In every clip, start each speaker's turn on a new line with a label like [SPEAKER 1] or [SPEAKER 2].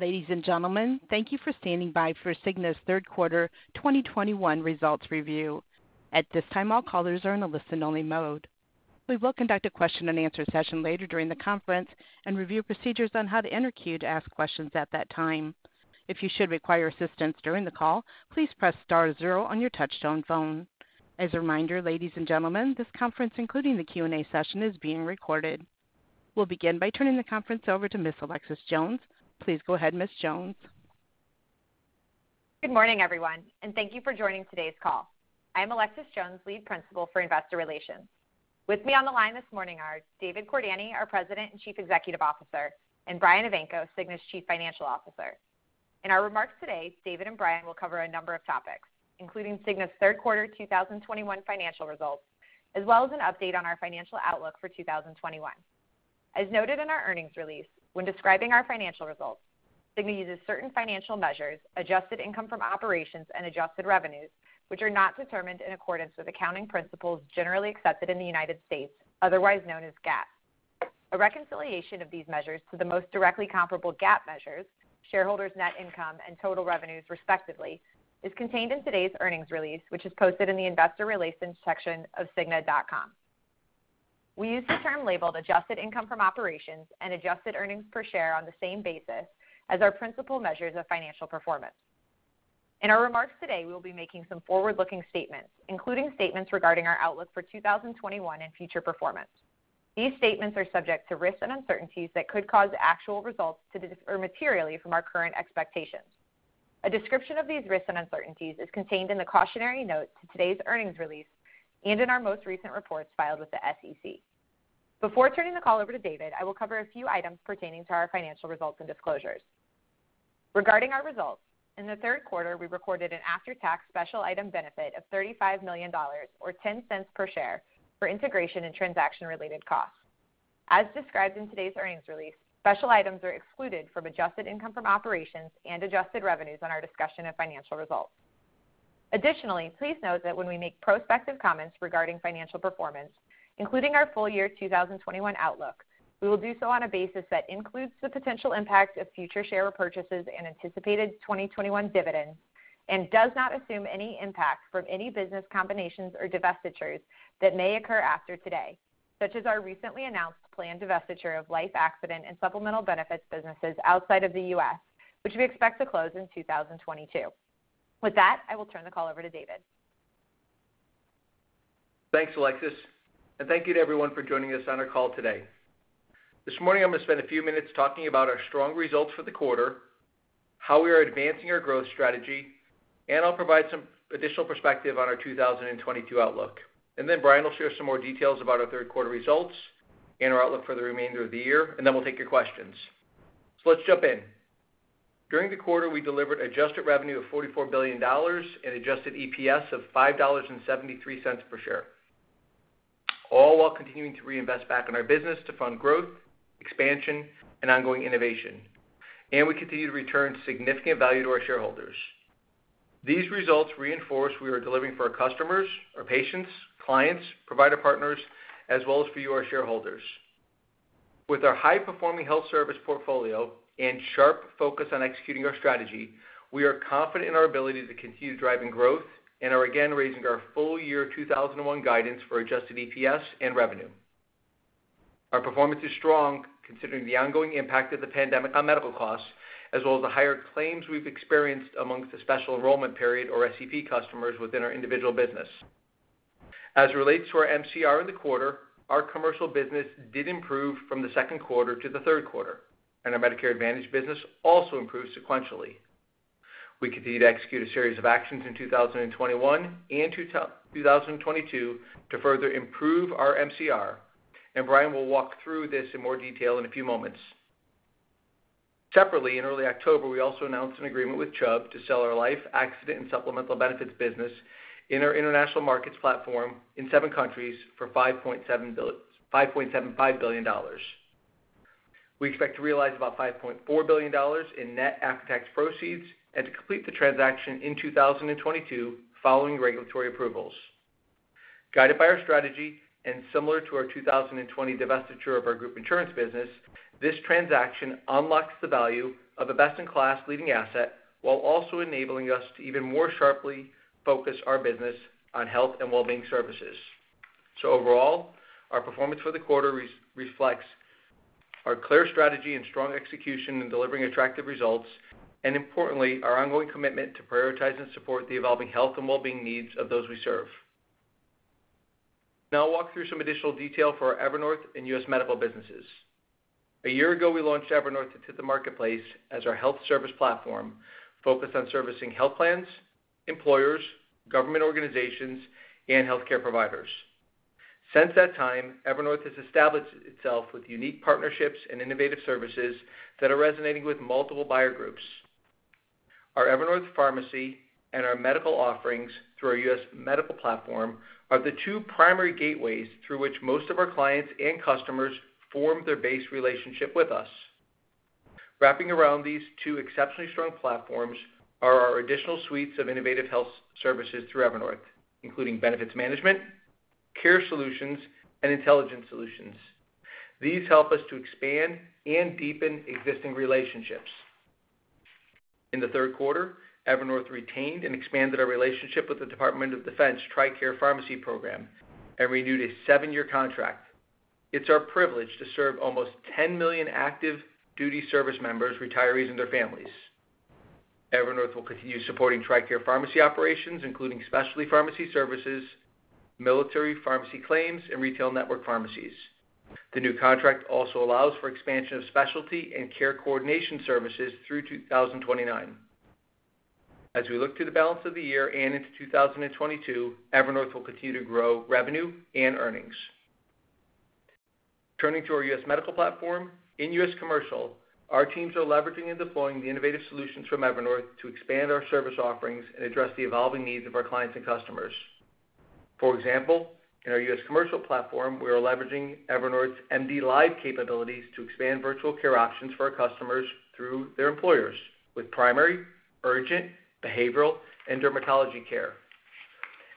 [SPEAKER 1] Ladies and gentlemen, thank you for standing by for Cigna's third quarter 2021 results review. At this time, all callers are in a listen-only mode. We will conduct a question-and-answer session later during the conference and review procedures on how to enter queue to ask questions at that time. If you should require assistance during the call, please press star zero on your touchtone phone. As a reminder, ladies and gentlemen, this conference, including the Q&A session, is being recorded. We'll begin by turning the conference over to Ms. Alexis Jones. Please go ahead, Ms. Jones.
[SPEAKER 2] Good morning, everyone, and thank you for joining today's call. I'm Alexis Jones, Lead Principal for Investor Relations. With me on the line this morning are David Cordani, our President and Chief Executive Officer, and Brian Evanko, Cigna's Chief Financial Officer. In our remarks today, David and Brian will cover a number of topics, including Cigna's third quarter 2021 financial results, as well as an update on our financial outlook for 2021. As noted in our earnings release, when describing our financial results, Cigna uses certain financial measures, adjusted income from operations and adjusted revenues, which are not determined in accordance with accounting principles generally accepted in the United States, otherwise known as GAAP. A reconciliation of these measures to the most directly comparable GAAP measures, shareholders' net income and total revenues, respectively, is contained in today's earnings release, which is posted in the Investor Relations section of cigna.com. We use the term labeled adjusted income from operations and adjusted earnings per share on the same basis as our principal measures of financial performance. In our remarks today, we will be making some forward-looking statements, including statements regarding our outlook for 2021 and future performance. These statements are subject to risks and uncertainties that could cause actual results to differ materially from our current expectations. A description of these risks and uncertainties is contained in the cautionary note to today's earnings release and in our most recent reports filed with the SEC. Before turning the call over to David, I will cover a few items pertaining to our financial results and disclosures. Regarding our results, in the third quarter, we recorded an after-tax special item benefit of $35 million or $0.10 per share for integration and transaction-related costs. As described in today's earnings release, special items are excluded from adjusted income from operations and adjusted revenues in our discussion of financial results. Additionally, please note that when we make prospective comments regarding financial performance, including our full year 2021 outlook, we will do so on a basis that includes the potential impact of future share repurchases and anticipated 2021 dividends, and does not assume any impact from any business combinations or divestitures that may occur after today, such as our recently announced planned divestiture of life, accident, and supplemental benefits businesses outside of the U.S., which we expect to close in 2022. With that, I will turn the call over to David.
[SPEAKER 3] Thanks, Alexis, and thank you to everyone for joining us on our call today. This morning, I'm going to spend a few minutes talking about our strong results for the quarter, how we are advancing our growth strategy, and I'll provide some additional perspective on our 2022 outlook. Then Brian will share some more details about our third quarter results and our outlook for the remainder of the year, and then we'll take your questions. Let's jump in. During the quarter, we delivered adjusted revenue of $44 billion and adjusted EPS of $5.73 per share, all while continuing to reinvest back in our business to fund growth, expansion, and ongoing innovation. We continue to return significant value to our shareholders. These results reinforce we are delivering for our customers, our patients, clients, provider partners, as well as for you, our shareholders. With our high-performing health service portfolio and sharp focus on executing our strategy, we are confident in our ability to continue driving growth and are again raising our full year 2021 guidance for adjusted EPS and revenue. Our performance is strong considering the ongoing impact of the pandemic on medical costs, as well as the higher claims we've experienced amongst the special enrollment period or SEP customers within our individual business. As it relates to our MCR in the quarter, our commercial business did improve from the second quarter to the third quarter, and our Medicare Advantage business also improved sequentially. We continue to execute a series of actions in 2021 and 2022 to further improve our MCR. Brian will walk through this in more detail in a few moments. Separately, in early October, we also announced an agreement with Chubb to sell our life, accident, and supplemental benefits business in our International Markets platform in seven countries for $5.75 billion. We expect to realize about $5.4 billion in net after-tax proceeds and to complete the transaction in 2022 following regulatory approvals. Guided by our strategy and similar to our 2020 divestiture of our group insurance business, this transaction unlocks the value of a best-in-class leading asset while also enabling us to even more sharply focus our business on health and well-being services. Overall, our performance for the quarter reflects our clear strategy and strong execution in delivering attractive results, and importantly, our ongoing commitment to prioritize and support the evolving health and well-being needs of those we serve. Now I'll walk through some additional detail for our Evernorth and U.S. Medical businesses. A year ago, we launched Evernorth into the marketplace as our health service platform focused on servicing health plans, employers, government organizations, and healthcare providers. Since that time, Evernorth has established itself with unique partnerships and innovative services that are resonating with multiple buyer groups. Our Evernorth Pharmacy and our medical offerings through our U.S. Medical platform are the two primary gateways through which most of our clients and customers form their base relationship with us. Wrapping around these two exceptionally strong platforms are our additional suites of innovative health services through Evernorth, including benefits management, care solutions and intelligence solutions. These help us to expand and deepen existing relationships. In the third quarter, Evernorth retained and expanded our relationship with the Department of Defense TRICARE Pharmacy Program and renewed a seven-year contract. It's our privilege to serve almost 10 million active duty service members, retirees, and their families. Evernorth will continue supporting TRICARE pharmacy operations, including specialty pharmacy services, military pharmacy claims, and retail network pharmacies. The new contract also allows for expansion of specialty and care coordination services through 2029. As we look to the balance of the year and into 2022, Evernorth will continue to grow revenue and earnings. Turning to our U.S. Medical platform. In U.S. Commercial, our teams are leveraging and deploying the innovative solutions from Evernorth to expand our service offerings and address the evolving needs of our clients and customers. For example, in our U.S. Commercial platform, we are leveraging Evernorth's MDLIVE capabilities to expand virtual care options for our customers through their employers with primary, urgent, behavioral, and dermatology care.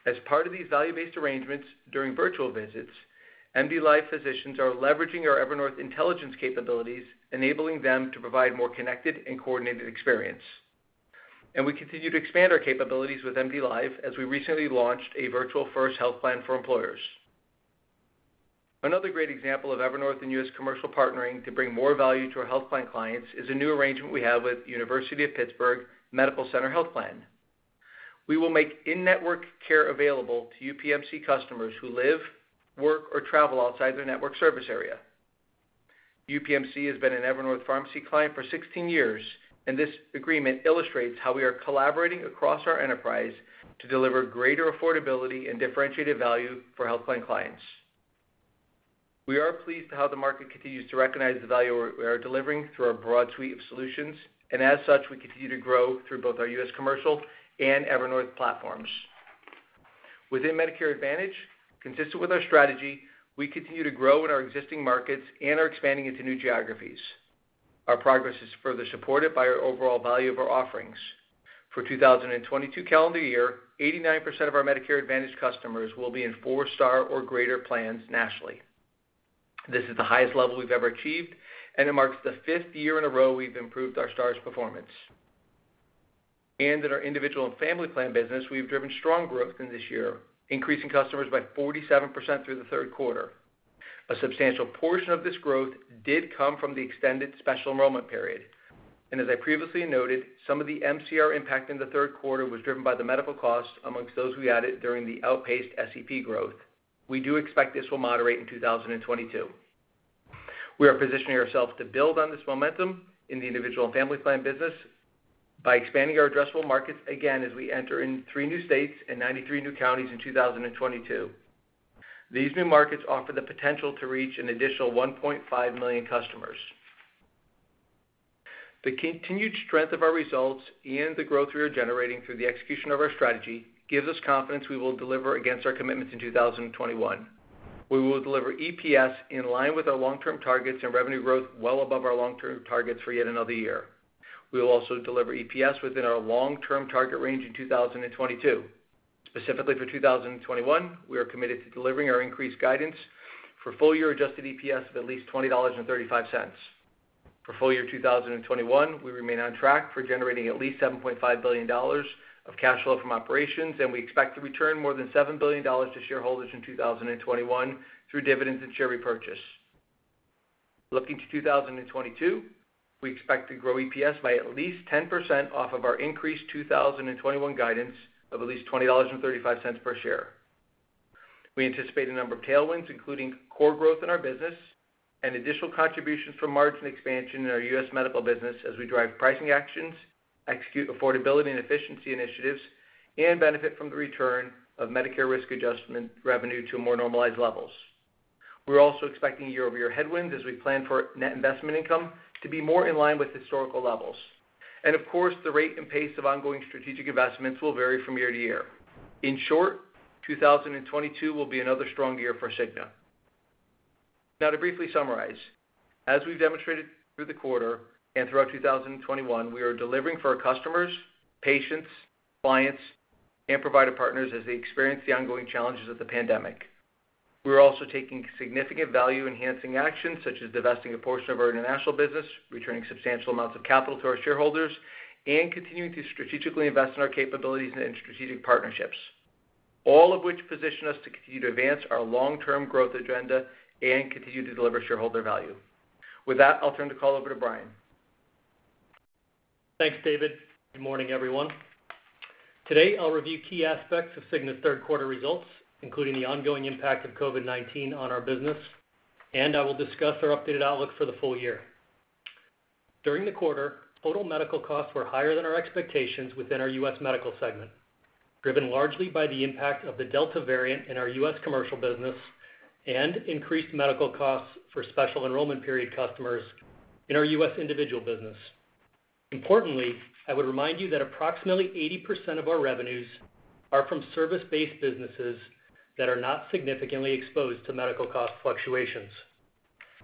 [SPEAKER 3] As part of these value-based arrangements during virtual visits, MDLIVE physicians are leveraging our Evernorth Intelligence capabilities, enabling them to provide more connected and coordinated experience. We continue to expand our capabilities with MDLIVE as we recently launched a virtual first health plan for employers. Another great example of Evernorth and U.S. Commercial partnering to bring more value to our health plan clients is a new arrangement we have with UPMC Health Plan. We will make in-network care available to UPMC customers who live, work, or travel outside their network service area. UPMC has been an Evernorth pharmacy client for 16 years, and this agreement illustrates how we are collaborating across our enterprise to deliver greater affordability and differentiated value for health plan clients. We are pleased how the market continues to recognize the value we are delivering through our broad suite of solutions, and as such, we continue to grow through both our U.S. Commercial and Evernorth platforms. Within Medicare Advantage, consistent with our strategy, we continue to grow in our existing markets and are expanding into new geographies. Our progress is further supported by our overall value of our offerings. For 2022 calendar year, 89% of our Medicare Advantage customers will be in four-star or greater plans nationally. This is the highest level we've ever achieved, and it marks the fifth year in a row we've improved our Stars performance. In our Individual and Family Plan business, we've driven strong growth in this year, increasing customers by 47% through the third quarter. A substantial portion of this growth did come from the extended special enrollment period. As I previously noted, some of the MCR impact in the third quarter was driven by the medical costs amongst those we added during the outpaced SEP growth. We do expect this will moderate in 2022. We are positioning ourselves to build on this momentum in the Individual and Family Plan business by expanding our addressable markets again as we enter in three new states and 93 new counties in 2022. These new markets offer the potential to reach an additional 1.5 million customers. The continued strength of our results and the growth we are generating through the execution of our strategy gives us confidence we will deliver against our commitments in 2021. We will deliver EPS in line with our long-term targets and revenue growth well above our long-term targets for yet another year. We will also deliver EPS within our long-term target range in 2022. Specifically for 2021, we are committed to delivering our increased guidance for full year adjusted EPS of at least $20.35. For full year 2021, we remain on track for generating at least $7.5 billion of cash flow from operations, and we expect to return more than $7 billion to shareholders in 2021 through dividends and share repurchase. Looking to 2022, we expect to grow EPS by at least 10% off of our increased 2021 guidance of at least $20.35 per share. We anticipate a number of tailwinds, including core growth in our business and additional contributions from margin expansion in our U.S. Medical business as we drive pricing actions, execute affordability and efficiency initiatives, and benefit from the return of Medicare risk adjustment revenue to more normalized levels. We're also expecting year-over-year headwinds as we plan for net investment income to be more in line with historical levels. Of course, the rate and pace of ongoing strategic investments will vary from year-to-year. In short, 2022 will be another strong year for Cigna. Now to briefly summarize, as we've demonstrated through the quarter and throughout 2021, we are delivering for our customers, patients, clients, and provider partners as they experience the ongoing challenges of the pandemic. We are also taking significant value-enhancing actions such as divesting a portion of our international business, returning substantial amounts of capital to our shareholders, and continuing to strategically invest in our capabilities and strategic partnerships, all of which position us to continue to advance our long-term growth agenda and continue to deliver shareholder value. With that, I'll turn the call over to Brian.
[SPEAKER 4] Thanks, David. Good morning, everyone. Today, I'll review key aspects of Cigna's third quarter results, including the ongoing impact of COVID-19 on our business, and I will discuss our updated outlook for the full year. During the quarter, total medical costs were higher than our expectations within our U.S. Medical segment, driven largely by the impact of the Delta variant in our U.S. Commercial business and increased medical costs for special enrollment period customers in our U.S. Individual business. Importantly, I would remind you that approximately 80% of our revenues are from service-based businesses that are not significantly exposed to medical cost fluctuations.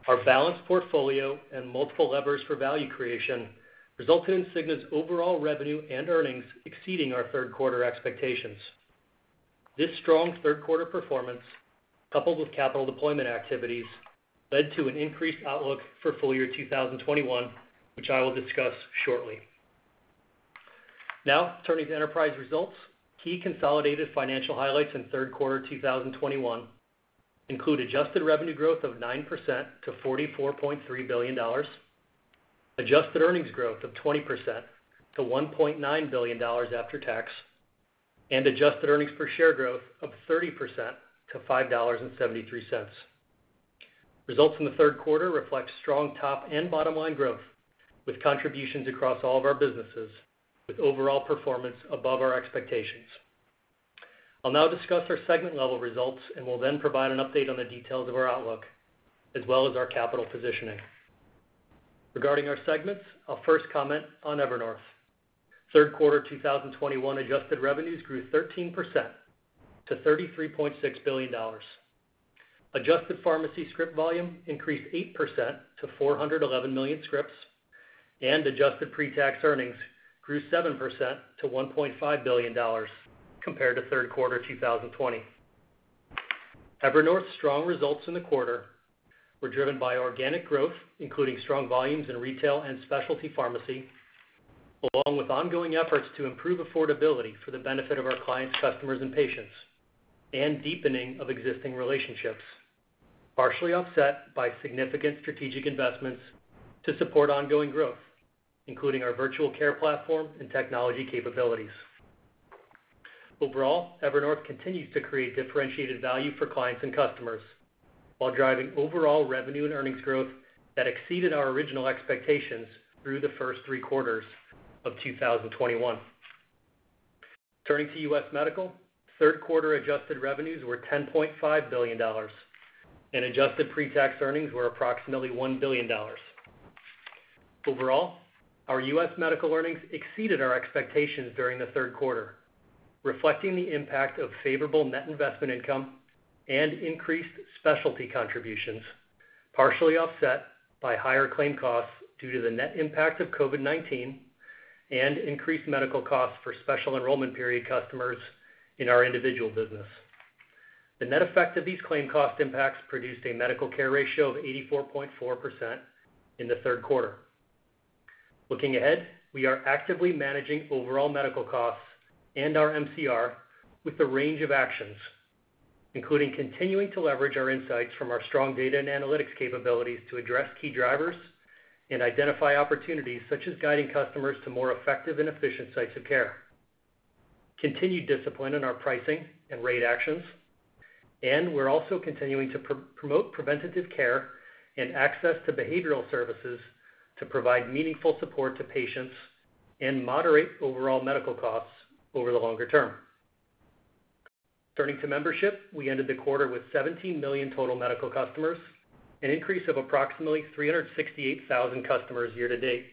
[SPEAKER 4] Our balanced portfolio and multiple levers for value creation resulted in Cigna's overall revenue and earnings exceeding our third quarter expectations. This strong third quarter performance, coupled with capital deployment activities, led to an increased outlook for full year 2021, which I will discuss shortly. Now turning to enterprise results. Key consolidated financial highlights in third quarter 2021 include adjusted revenue growth of 9% to $44.3 billion, adjusted earnings growth of 20% to $1.9 billion after tax, and adjusted earnings per share growth of 30% to $5.73. Results in the third quarter reflect strong top and bottom line growth, with contributions across all of our businesses, with overall performance above our expectations. I'll now discuss our segment level results, and will then provide an update on the details of our outlook as well as our capital positioning. Regarding our segments, I'll first comment on Evernorth. Third quarter 2021 adjusted revenues grew 13% to $33.6 billion. Adjusted pharmacy script volume increased 8% to 411 million scripts, and adjusted pre-tax earnings grew 7% to $1.5 billion compared to third quarter 2020. Evernorth's strong results in the quarter were driven by organic growth, including strong volumes in retail and specialty pharmacy, along with ongoing efforts to improve affordability for the benefit of our clients, customers, and patients, and deepening of existing relationships, partially offset by significant strategic investments to support ongoing growth, including our virtual care platform and technology capabilities. Overall, Evernorth continues to create differentiated value for clients and customers while driving overall revenue and earnings growth that exceeded our original expectations through the first three quarters of 2021. Turning to U.S. Medical, third quarter adjusted revenues were $10.5 billion and adjusted pre-tax earnings were approximately $1 billion. Overall, our U.S. medical earnings exceeded our expectations during the third quarter, reflecting the impact of favorable net investment income and increased specialty contributions, partially offset by higher claim costs due to the net impact of COVID-19 and increased medical costs for special enrollment period customers in our individual business. The net effect of these claim cost impacts produced a medical care ratio of 84.4% in the third quarter. Looking ahead, we are actively managing overall medical costs and our MCR with a range of actions, including continuing to leverage our insights from our strong data and analytics capabilities to address key drivers and identify opportunities, such as guiding customers to more effective and efficient sites of care. Continued discipline in our pricing and rate actions, and we're also continuing to promote preventive care and access to behavioral services to provide meaningful support to patients and moderate overall medical costs over the longer term. Turning to membership, we ended the quarter with 17 million total medical customers, an increase of approximately 368,000 customers year-to-date.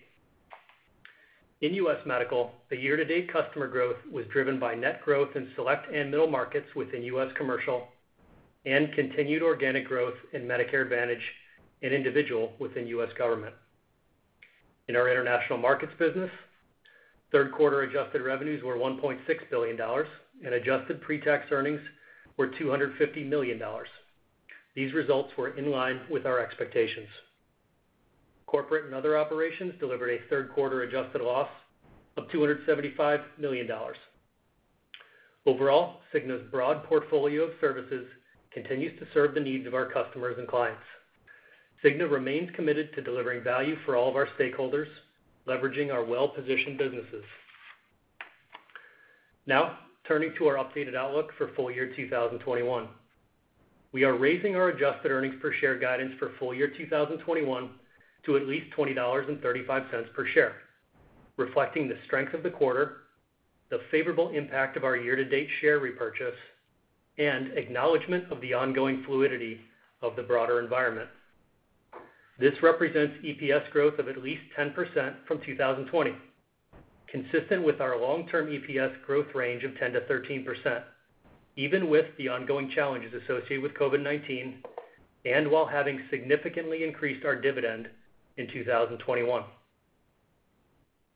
[SPEAKER 4] In U.S. Medical, the year-to-date customer growth was driven by net growth in select and middle markets within U.S. Commercial and continued organic growth in Medicare Advantage and individual within U.S. Government. In our International Markets business, third quarter adjusted revenues were $1.6 billion and adjusted pre-tax earnings were $250 million. These results were in line with our expectations. Corporate and other operations delivered a third quarter adjusted loss of $275 million. Overall, Cigna's broad portfolio of services continues to serve the needs of our customers and clients. Cigna remains committed to delivering value for all of our stakeholders, leveraging our well-positioned businesses. Now turning to our updated outlook for full year 2021. We are raising our adjusted earnings per share guidance for full year 2021 to at least $20.35 per share, reflecting the strength of the quarter, the favorable impact of our year-to-date share repurchase, and acknowledgement of the ongoing fluidity of the broader environment. This represents EPS growth of at least 10% from 2020, consistent with our long-term EPS growth range of 10%-13%, even with the ongoing challenges associated with COVID-19, and while having significantly increased our dividend in 2021.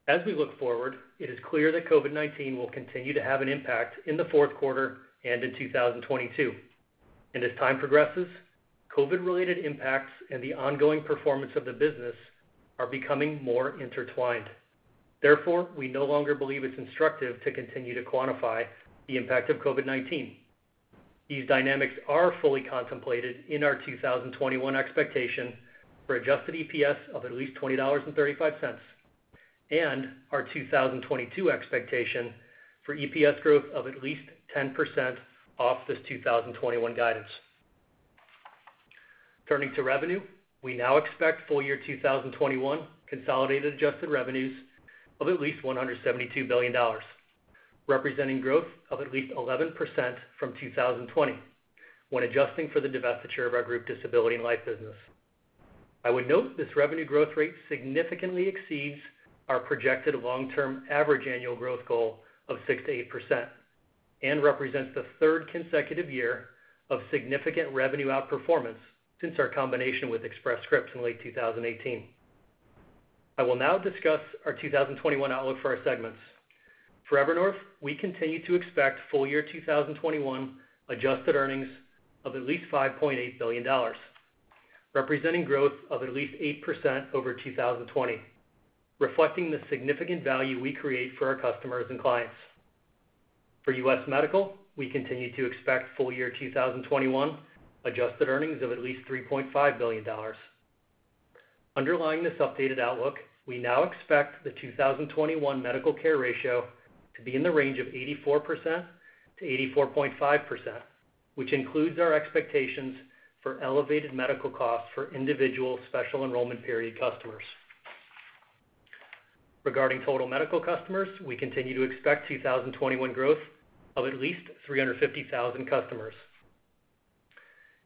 [SPEAKER 4] As we look forward, it is clear that COVID-19 will continue to have an impact in the fourth quarter and in 2022. As time progresses, COVID-related impacts and the ongoing performance of the business are becoming more intertwined. Therefore, we no longer believe it's instructive to continue to quantify the impact of COVID-19. These dynamics are fully contemplated in our 2021 expectation for adjusted EPS of at least $20.35, and our 2022 expectation for EPS growth of at least 10% off this 2021 guidance. Turning to revenue, we now expect full year 2021 consolidated adjusted revenues of at least $172 billion, representing growth of at least 11% from 2020 when adjusting for the divestiture of our group disability and life business. I would note this revenue growth rate significantly exceeds our projected long-term average annual growth goal of 6%-8%. Represents the third consecutive year of significant revenue outperformance since our combination with Express Scripts in late 2018. I will now discuss our 2021 outlook for our segments. For Evernorth, we continue to expect full year 2021 adjusted earnings of at least $5.8 billion, representing growth of at least 8% over 2020, reflecting the significant value we create for our customers and clients. For U.S. Medical, we continue to expect full year 2021 adjusted earnings of at least $3.5 billion. Underlying this updated outlook, we now expect the 2021 medical care ratio to be in the range of 84%-84.5%, which includes our expectations for elevated medical costs for individual special enrollment period customers. Regarding total medical customers, we continue to expect 2021 growth of at least 350,000 customers.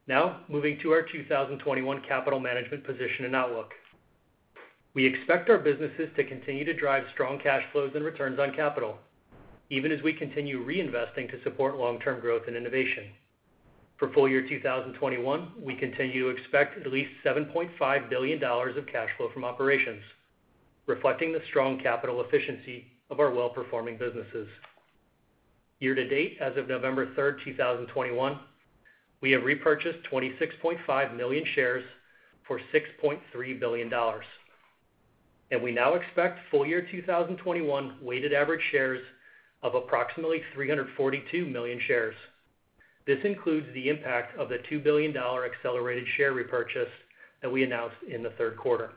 [SPEAKER 4] Now, moving to our 2021 capital management position and outlook. We expect our businesses to continue to drive strong cash flows and returns on capital, even as we continue reinvesting to support long-term growth and innovation. For full year 2021, we continue to expect at least $7.5 billion of cash flow from operations, reflecting the strong capital efficiency of our well-performing businesses. Year-to-date, as of November 3rd, 2021, we have repurchased 26.5 million shares for $6.3 billion. We now expect full year 2021 weighted average shares of approximately 342 million shares. This includes the impact of the $2 billion accelerated share repurchase that we announced in the third quarter.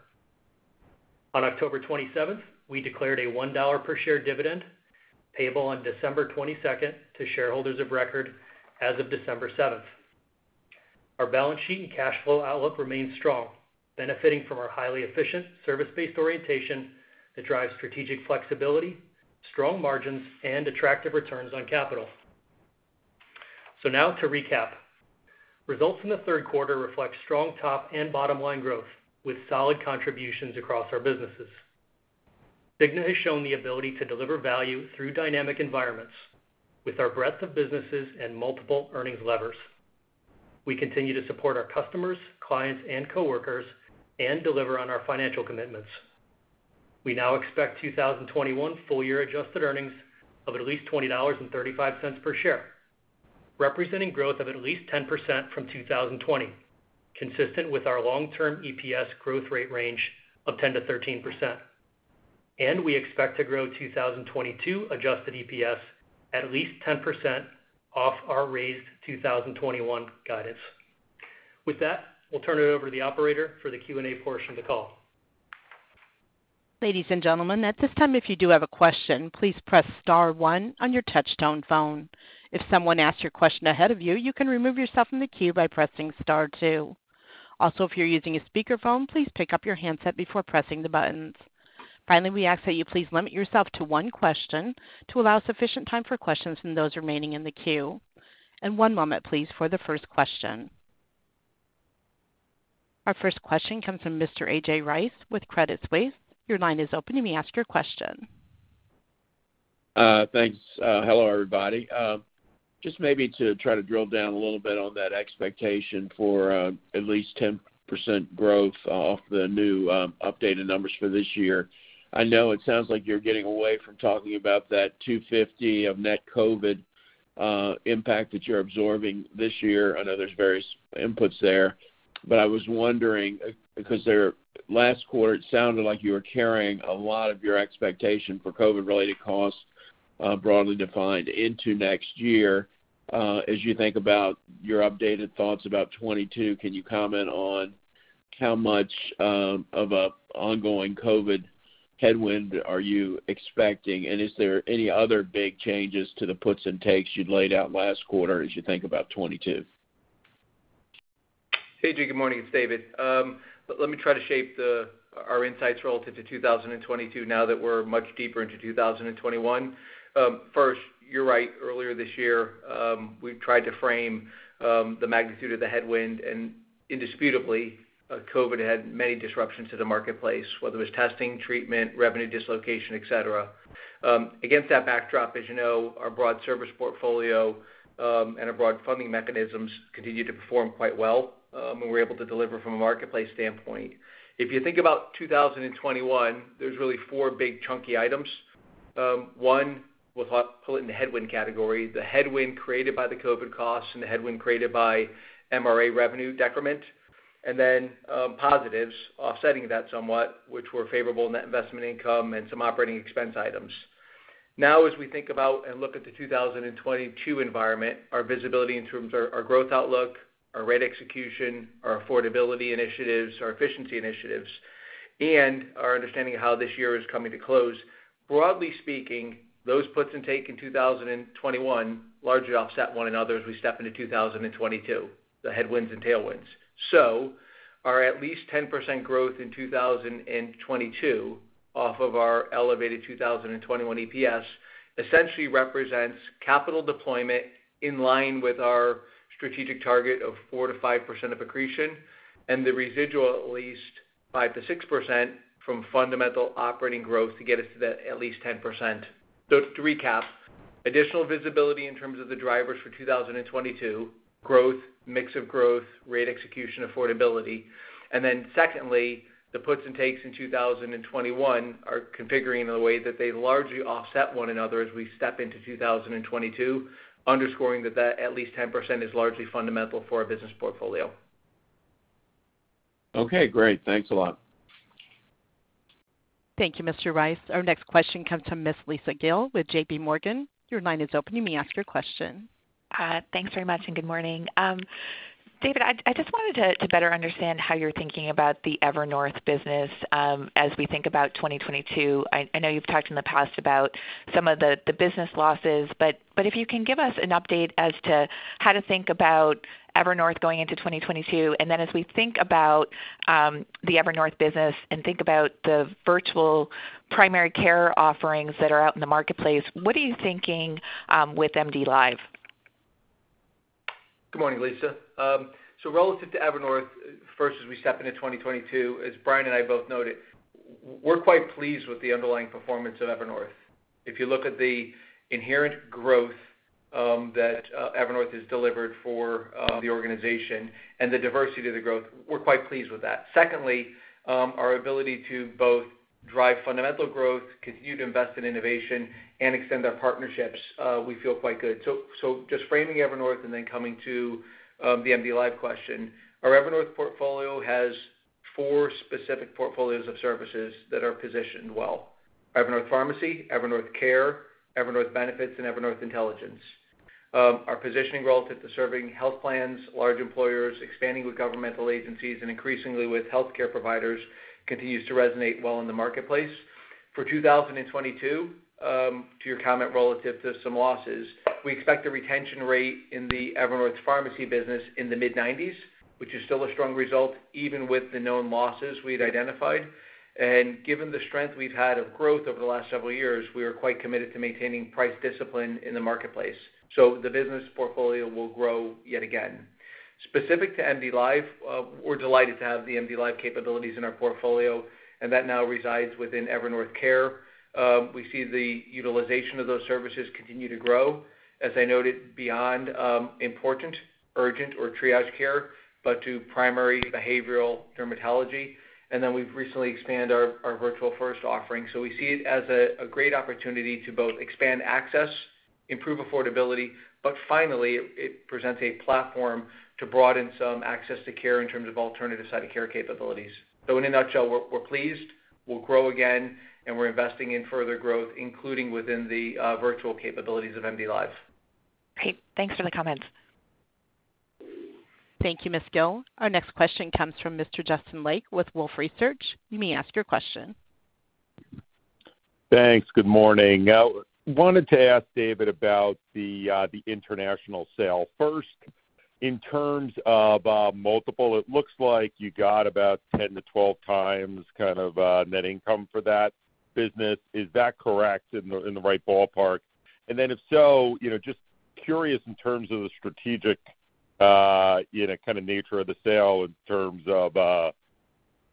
[SPEAKER 4] On October 27, we declared a $1 per share dividend payable on December 22nd to shareholders of record as of December 7th. Our balance sheet and cash flow outlook remains strong, benefiting from our highly efficient service-based orientation that drives strategic flexibility, strong margins, and attractive returns on capital. Now to recap. Results in the third quarter reflect strong top and bottom line growth with solid contributions across our businesses. Cigna has shown the ability to deliver value through dynamic environments with our breadth of businesses and multiple earnings levers. We continue to support our customers, clients, and coworkers, and deliver on our financial commitments. We now expect 2021 full year adjusted earnings of at least $20.35 per share, representing growth of at least 10% from 2020, consistent with our long-term EPS growth rate range of 10%-13%. We expect to grow 2022 adjusted EPS at least 10% off our raised 2021 guidance. With that, we'll turn it over to the Operator for the Q&A portion of the call.
[SPEAKER 1] Ladies and gentlemen, at this time, if you do have a question, please press star one on your touchtone phone. If someone asks your question ahead of you can remove yourself from the queue by pressing star two. Also, if you're using a speakerphone, please pick up your handset before pressing the buttons. Finally, we ask that you please limit yourself to one question to allow sufficient time for questions from those remaining in the queue. One moment, please, for the first question. Our first question comes from Mr. A.J. Rice with Credit Suisse. Your line is open. You may ask your question.
[SPEAKER 5] Thanks. Hello, everybody. Just maybe to try to drill down a little bit on that expectation for at least 10% growth off the new updated numbers for this year. I know it sounds like you're getting away from talking about that $250 of net COVID impact that you're absorbing this year. I know there's various inputs there. I was wondering, because there, last quarter, it sounded like you were carrying a lot of your expectation for COVID-related costs, broadly defined into next year. As you think about your updated thoughts about 2022, can you comment on how much of an ongoing COVID headwind are you expecting? Is there any other big changes to the puts and takes you'd laid out last quarter as you think about 2022?
[SPEAKER 3] A.J., good morning. It's David. Let me try to shape our insights relative to 2022 now that we're much deeper into 2021. First, you're right. Earlier this year, we've tried to frame the magnitude of the headwind, and indisputably, COVID had many disruptions to the marketplace, whether it was testing, treatment, revenue dislocation, et cetera. Against that backdrop, as you know, our broad service portfolio and our broad funding mechanisms continued to perform quite well, and we were able to deliver from a marketplace standpoint. If you think about 2021, there's really four big chunky items. One, we'll call it in the headwind category, the headwind created by the COVID costs and the headwind created by MRA revenue decrement, and then, positives offsetting that somewhat, which were favorable net investment income and some operating expense items. Now as we think about and look at the 2022 environment, our visibility in terms of our growth outlook, our rate execution, our affordability initiatives, our efficiency initiatives, and our understanding of how this year is coming to close, broadly speaking, those puts and takes in 2021 largely offset one another as we step into 2022, the headwinds and tailwinds. Our at least 10% growth in 2022 off of our elevated 2021 EPS essentially represents capital deployment in line with our Strategic target of 4%-5% of accretion, and the residual at least 5%-6% from fundamental operating growth to get us to that at least 10%. To recap, additional visibility in terms of the drivers for 2022, growth, mix of growth, rate execution, affordability. Secondly, the puts and takes in 2021 are configuring in a way that they largely offset one another as we step into 2022, underscoring that at least 10% is largely fundamental for our business portfolio.
[SPEAKER 5] Okay, great. Thanks a lot.
[SPEAKER 1] Thank you, Mr. Rice. Our next question comes from Miss Lisa Gill with JPMorgan. Your line is open. You may ask your question.
[SPEAKER 6] Thanks very much. Good morning. David, I just wanted to better understand how you're thinking about the Evernorth business as we think about 2022. I know you've talked in the past about some of the business losses, but if you can give us an update as to how to think about Evernorth going into 2022, and then as we think about the Evernorth business and think about the virtual primary care offerings that are out in the marketplace, what are you thinking with MDLIVE?
[SPEAKER 3] Good morning, Lisa. Relative to Evernorth, first, as we step into 2022, as Brian and I both noted, we're quite pleased with the underlying performance of Evernorth. If you look at the inherent growth that Evernorth has delivered for the organization and the diversity of the growth, we're quite pleased with that. Secondly, our ability to both drive fundamental growth, continue to invest in innovation and extend our partnerships, we feel quite good. Just framing Evernorth and then coming to the MDLIVE question. Our Evernorth portfolio has four specific portfolios of services that are positioned well. Evernorth Pharmacy, Evernorth Care, Evernorth Benefits, and Evernorth Intelligence. Our positioning relative to serving health plans, large employers, expanding with governmental agencies, and increasingly with healthcare providers continues to resonate well in the marketplace. For 2022, to your comment relative to some losses, we expect a retention rate in the Evernorth Pharmacy business in the mid-90s, which is still a strong result even with the known losses we'd identified. Given the strength we've had of growth over the last several years, we are quite committed to maintaining price discipline in the marketplace, so the business portfolio will grow yet again. Specific to MDLIVE, we're delighted to have the MDLIVE capabilities in our portfolio, and that now resides within Evernorth Care. We see the utilization of those services continue to grow, as I noted, beyond important, urgent or triage care, but to primary behavioral dermatology. Then we've recently expanded our virtual first offering. We see it as a great opportunity to both expand access, improve affordability, but finally, it presents a platform to broaden some access to care in terms of alternative site of care capabilities. In a nutshell, we're pleased, we'll grow again, and we're investing in further growth, including within the virtual capabilities of MDLIVE.
[SPEAKER 6] Great. Thanks for the comments.
[SPEAKER 1] Thank you, Ms. Gill. Our next question comes from Mr. Justin Lake with Wolfe Research. You may ask your question.
[SPEAKER 7] Thanks. Good morning. Wanted to ask David about the international sale. First, in terms of multiple, it looks like you got about 10x-12x net income for that business. Is that correct, in the right ballpark? Then if so, you know, just curious in terms of the strategic, you know, kind of nature of the sale in terms of,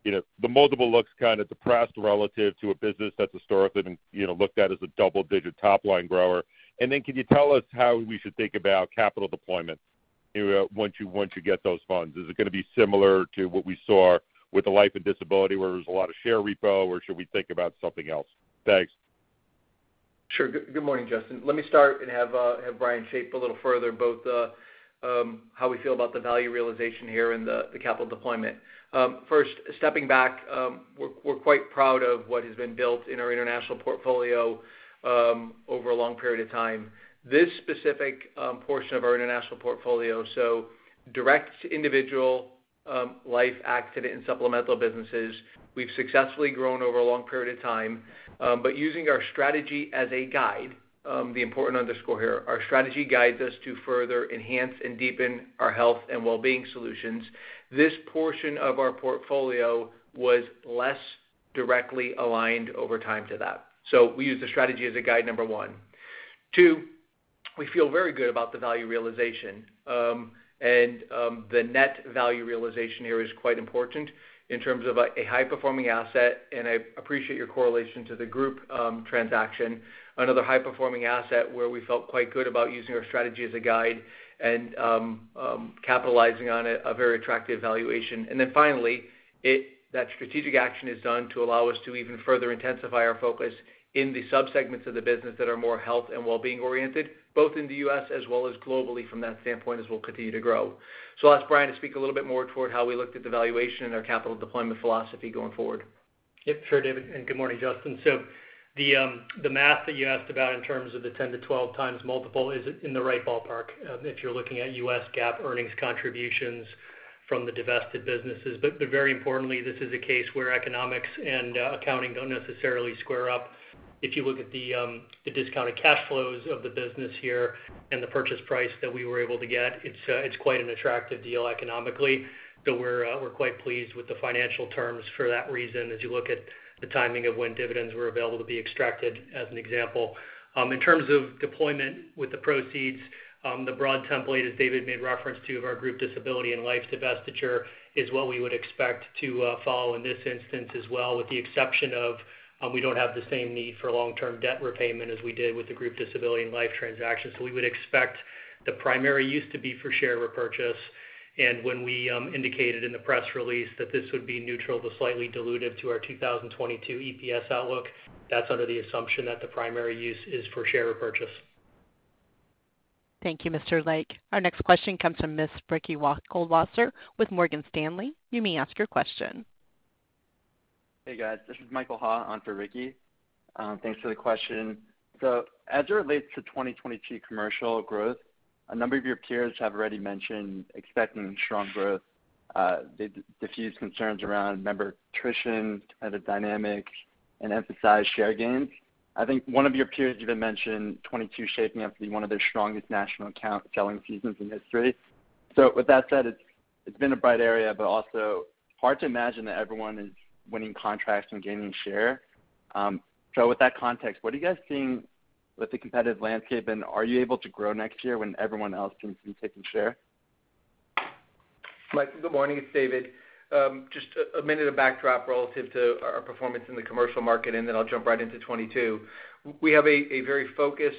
[SPEAKER 7] you know, the multiple looks kind of depressed relative to a business that's historically been, you know, looked at as a double-digit top-line grower. Then can you tell us how we should think about capital deployment, you know, once you get those funds? Is it gonna be similar to what we saw with the life and disability where there was a lot of share repurchase, or should we think about something else? Thanks.
[SPEAKER 3] Sure. Good morning, Justin. Let me start and have Brian shape a little further both the how we feel about the value realization here and the capital deployment. First, stepping back, we're quite proud of what has been built in our international portfolio over a long period of time. This specific portion of our international portfolio, so direct individual life accident and supplemental businesses we've successfully grown over a long period of time. Using our strategy as a guide, the important underscore here, our strategy guides us to further enhance and deepen our health and wellbeing solutions. This portion of our portfolio was less directly aligned over time to that. We use the strategy as a guide, number one. Two, we feel very good about the value realization. The net value realization here is quite important in terms of a high-performing asset, and I appreciate your correlation to the group transaction. Another high-performing asset where we felt quite good about using our strategy as a guide and capitalizing on a very attractive valuation. Finally, that strategic action is done to allow us to even further intensify our focus in the subsegments of the business that are more health and well-being oriented, both in the U.S. as well as globally from that standpoint as we'll continue to grow. I'll ask Brian to speak a little bit more toward how we looked at the valuation and our capital deployment philosophy going forward.
[SPEAKER 4] Yep. Sure, David, and good morning, Justin. The math that you asked about in terms of the 10x-12x multiple is in the right ballpark. If you're looking at U.S. GAAP earnings contributions from the divested businesses. Very importantly, this is a case where economics and accounting don't necessarily square up. If you look at the discounted cash flows of the business here and the purchase price that we were able to get, it's quite an attractive deal economically. We're quite pleased with the financial terms for that reason, as you look at the timing of when dividends were available to be extracted, as an example. In terms of deployment with the proceeds, the broad template, as David made reference to, of our group disability and life divestiture is what we would expect to follow in this instance as well, with the exception of, we don't have the same need for long-term debt repayment as we did with the group disability and life transaction. We would expect the primary use to be for share repurchase. When we indicated in the press release that this would be neutral to slightly dilutive to our 2022 EPS outlook, that's under the assumption that the primary use is for share repurchase.
[SPEAKER 1] Thank you, Mr. Lake. Our next question comes from Ms. Ricky Goldwasser with Morgan Stanley. You may ask your question.
[SPEAKER 8] Hey, guys. This is Michael Ha on for Ricky. Thanks for the question. As it relates to 2022 commercial growth, a number of your peers have already mentioned expecting strong growth. They defuse concerns around member attrition, competitive dynamics, and emphasize share gains. I think one of your peers even mentioned 2022 shaping up to be one of their strongest national account selling seasons in history. With that said, it's been a bright area, but also hard to imagine that everyone is winning contracts and gaining share. With that context, what are you guys seeing with the competitive landscape, and are you able to grow next year when everyone else seems to be taking share?
[SPEAKER 3] Mike, good morning. It's David. Just a minute of backdrop relative to our performance in the commercial market, and then I'll jump right into 2022. We have a very focused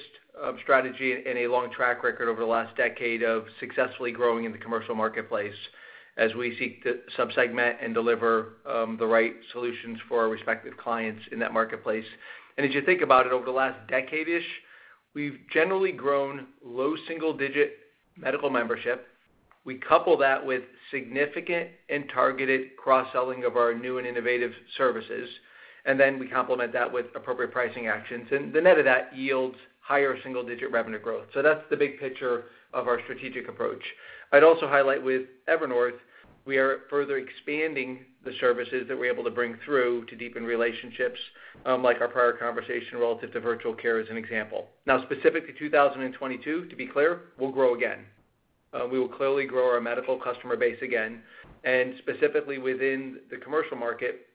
[SPEAKER 3] strategy and a long track record over the last decade of successfully growing in the commercial marketplace as we seek to sub-segment and deliver the right solutions for our respective clients in that marketplace. As you think about it, over the last decade-ish, we've generally grown low single digit medical membership. We couple that with significant and targeted cross-selling of our new and innovative services, and then we complement that with appropriate pricing actions. The net of that yields higher single digit revenue growth. That's the big picture of our strategic approach. I'd also highlight with Evernorth, we are further expanding the services that we're able to bring through to deepen relationships, like our prior conversation relative to virtual care, as an example. Now, specifically, 2022, to be clear, we'll grow again. We will clearly grow our medical customer base again. Specifically within the commercial market,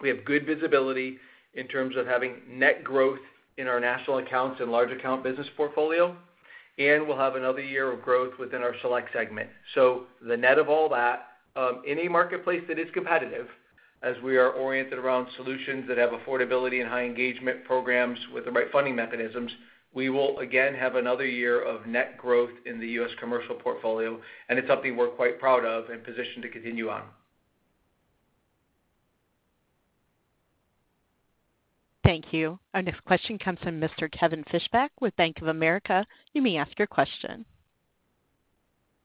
[SPEAKER 3] we have good visibility in terms of having net growth in our national accounts and large account business portfolio, and we'll have another year of growth within our select segment. The net of all that, in a marketplace that is competitive, as we are oriented around solutions that have affordability and high engagement programs with the right funding mechanisms, we will again have another year of net growth in the U.S. commercial portfolio, and it's something we're quite proud of and positioned to continue on.
[SPEAKER 1] Thank you. Our next question comes from Mr. Kevin Fischbeck with Bank of America. You may ask your question.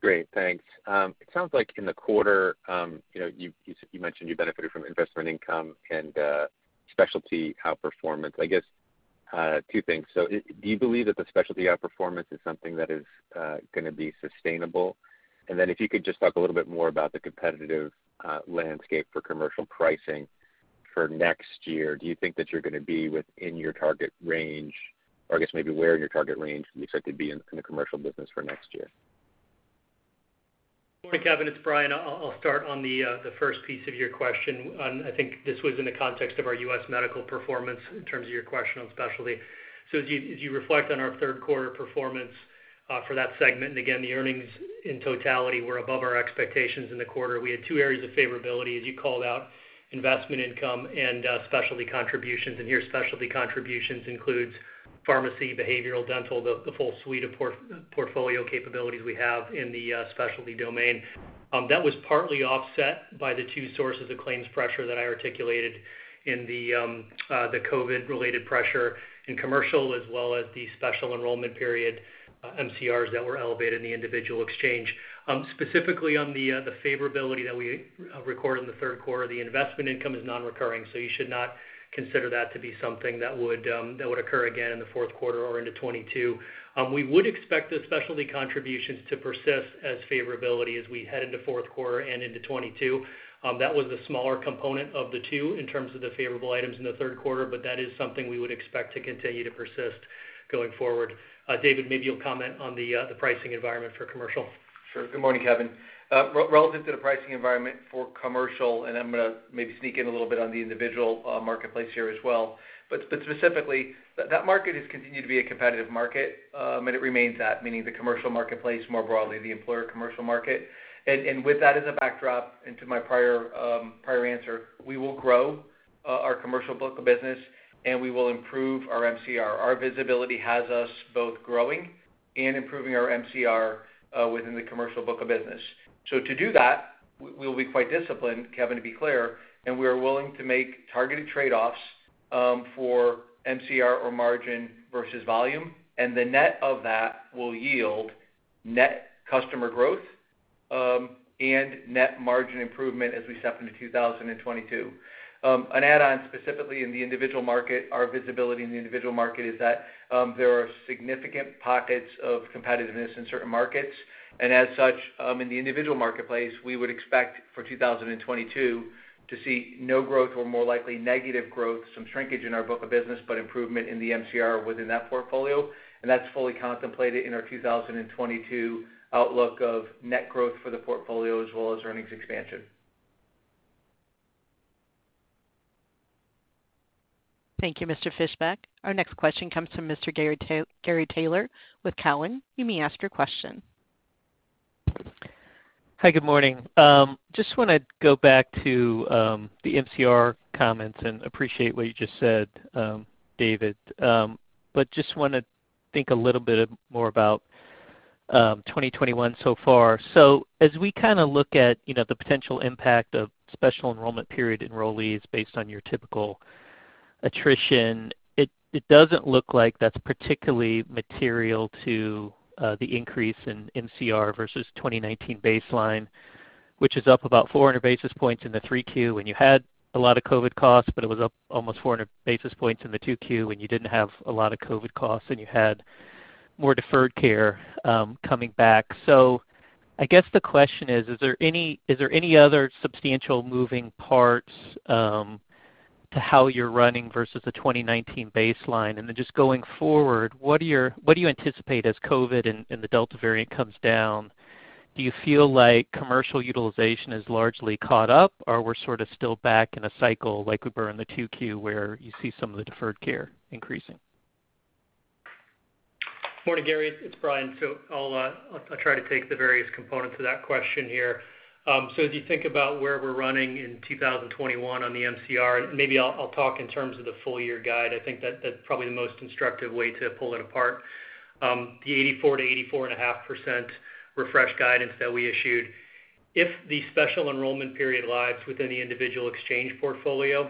[SPEAKER 9] Great, thanks. It sounds like in the quarter, you know, you mentioned you benefited from investment income and specialty outperformance. I guess two things. Do you believe that the specialty outperformance is something that is gonna be sustainable? Then if you could just talk a little bit more about the competitive landscape for commercial pricing for next year. Do you think that you're gonna be within your target range, or I guess maybe where in your target range do you expect to be in the commercial business for next year?
[SPEAKER 4] Morning, Kevin, it's Brian. I'll start on the first piece of your question. I think this was in the context of our U.S. Medical performance in terms of your question on specialty. As you reflect on our third quarter performance for that segment, and again, the earnings in totality were above our expectations in the quarter. We had two areas of favorability, as you called out, investment income and specialty contributions. Here, specialty contributions includes pharmacy, behavioral, dental, the full suite of portfolio capabilities we have in the specialty domain. That was partly offset by the two sources of claims pressure that I articulated in the COVID-related pressure in commercial, as well as the special enrollment period MCRs that were elevated in the individual exchange. Specifically on the favorability that we recorded in the third quarter, the investment income is non-recurring, so you should not consider that to be something that would occur again in the fourth quarter or into 2022. We would expect the specialty contributions to persist as favorability as we head into fourth quarter and into 2022. That was the smaller component of the two in terms of the favorable items in the third quarter, but that is something we would expect to continue to persist going forward. David, maybe you'll comment on the pricing environment for commercial.
[SPEAKER 3] Sure. Good morning, Kevin. Relative to the pricing environment for commercial, and I'm gonna maybe sneak in a little bit on the individual marketplace here as well, but specifically, that market has continued to be a competitive market, and it remains that, meaning the commercial marketplace more broadly, the employer commercial market. With that as a backdrop into my prior answer, we will grow our commercial book of business and we will improve our MCR. Our visibility has us both growing and improving our MCR within the commercial book of business. To do that, we'll be quite disciplined, Kevin, to be clear, and we are willing to make targeted trade-offs for MCR or margin versus volume, and the net of that will yield net customer growth, and net margin improvement as we step into 2022. An add-on specifically in the individual market, our visibility in the individual market is that, there are significant pockets of competitiveness in certain markets. As such, in the individual marketplace, we would expect for 2022 to see no growth or more likely negative growth, some shrinkage in our book of business, but improvement in the MCR within that portfolio, and that's fully contemplated in our 2022 outlook of net growth for the portfolio as well as earnings expansion.
[SPEAKER 1] Thank you, Mr. Fischbeck. Our next question comes from Mr. Gary Taylor with Cowen. You may ask your question.
[SPEAKER 10] Hi, good morning. Just wanna go back to the MCR comments and appreciate what you just said, David. Just wanna think a little bit more about 2021 so far. As we kind of look at, you know, the potential impact of special enrollment period enrollees based on your typical attrition, it doesn't look like that's particularly material to the increase in MCR versus 2019 baseline, which is up about 400 basis points in the 3Q when you had a lot of COVID costs, but it was up almost 400 basis points in the 2Q when you didn't have a lot of COVID costs, and you had more deferred care coming back. I guess the question is there any other substantial moving parts to how you're running versus the 2019 baseline? Then just going forward, what do you anticipate as COVID and the Delta variant comes down? Do you feel like commercial utilization is largely caught up, or we're sort of still back in a cycle like we were in the 2Q, where you see some of the deferred care increasing?
[SPEAKER 4] Morning, Gary, it's Brian. I'll try to take the various components of that question here. As you think about where we're running in 2021 on the MCR, maybe I'll talk in terms of the full year guide. I think that's probably the most instructive way to pull it apart. The 84%-84.5% refreshed guidance that we issued. If the special enrollment period lives within the individual exchange portfolio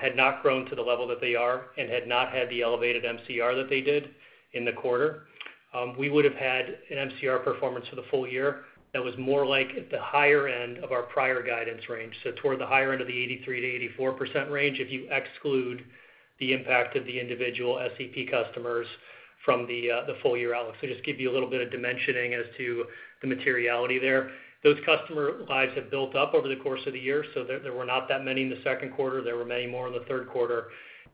[SPEAKER 4] had not grown to the level that they are and had not had the elevated MCR that they did in the quarter, we would have had an MCR performance for the full year that was more like at the higher end of our prior guidance range. Toward the higher end of the 83%-84% range, if you exclude the impact of the individual SEP customers from the full year outlook. Just give you a little bit of dimensioning as to the materiality there. Those customer lives have built up over the course of the year, so there were not that many in the second quarter. There were many more in the third quarter,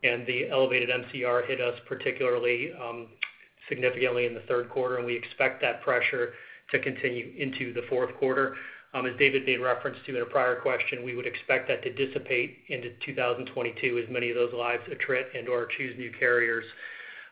[SPEAKER 4] and the elevated MCR hit us particularly significantly in the third quarter, and we expect that pressure to continue into the fourth quarter. As David made reference to in a prior question, we would expect that to dissipate into 2022 as many of those lives attrit and/or choose new carriers.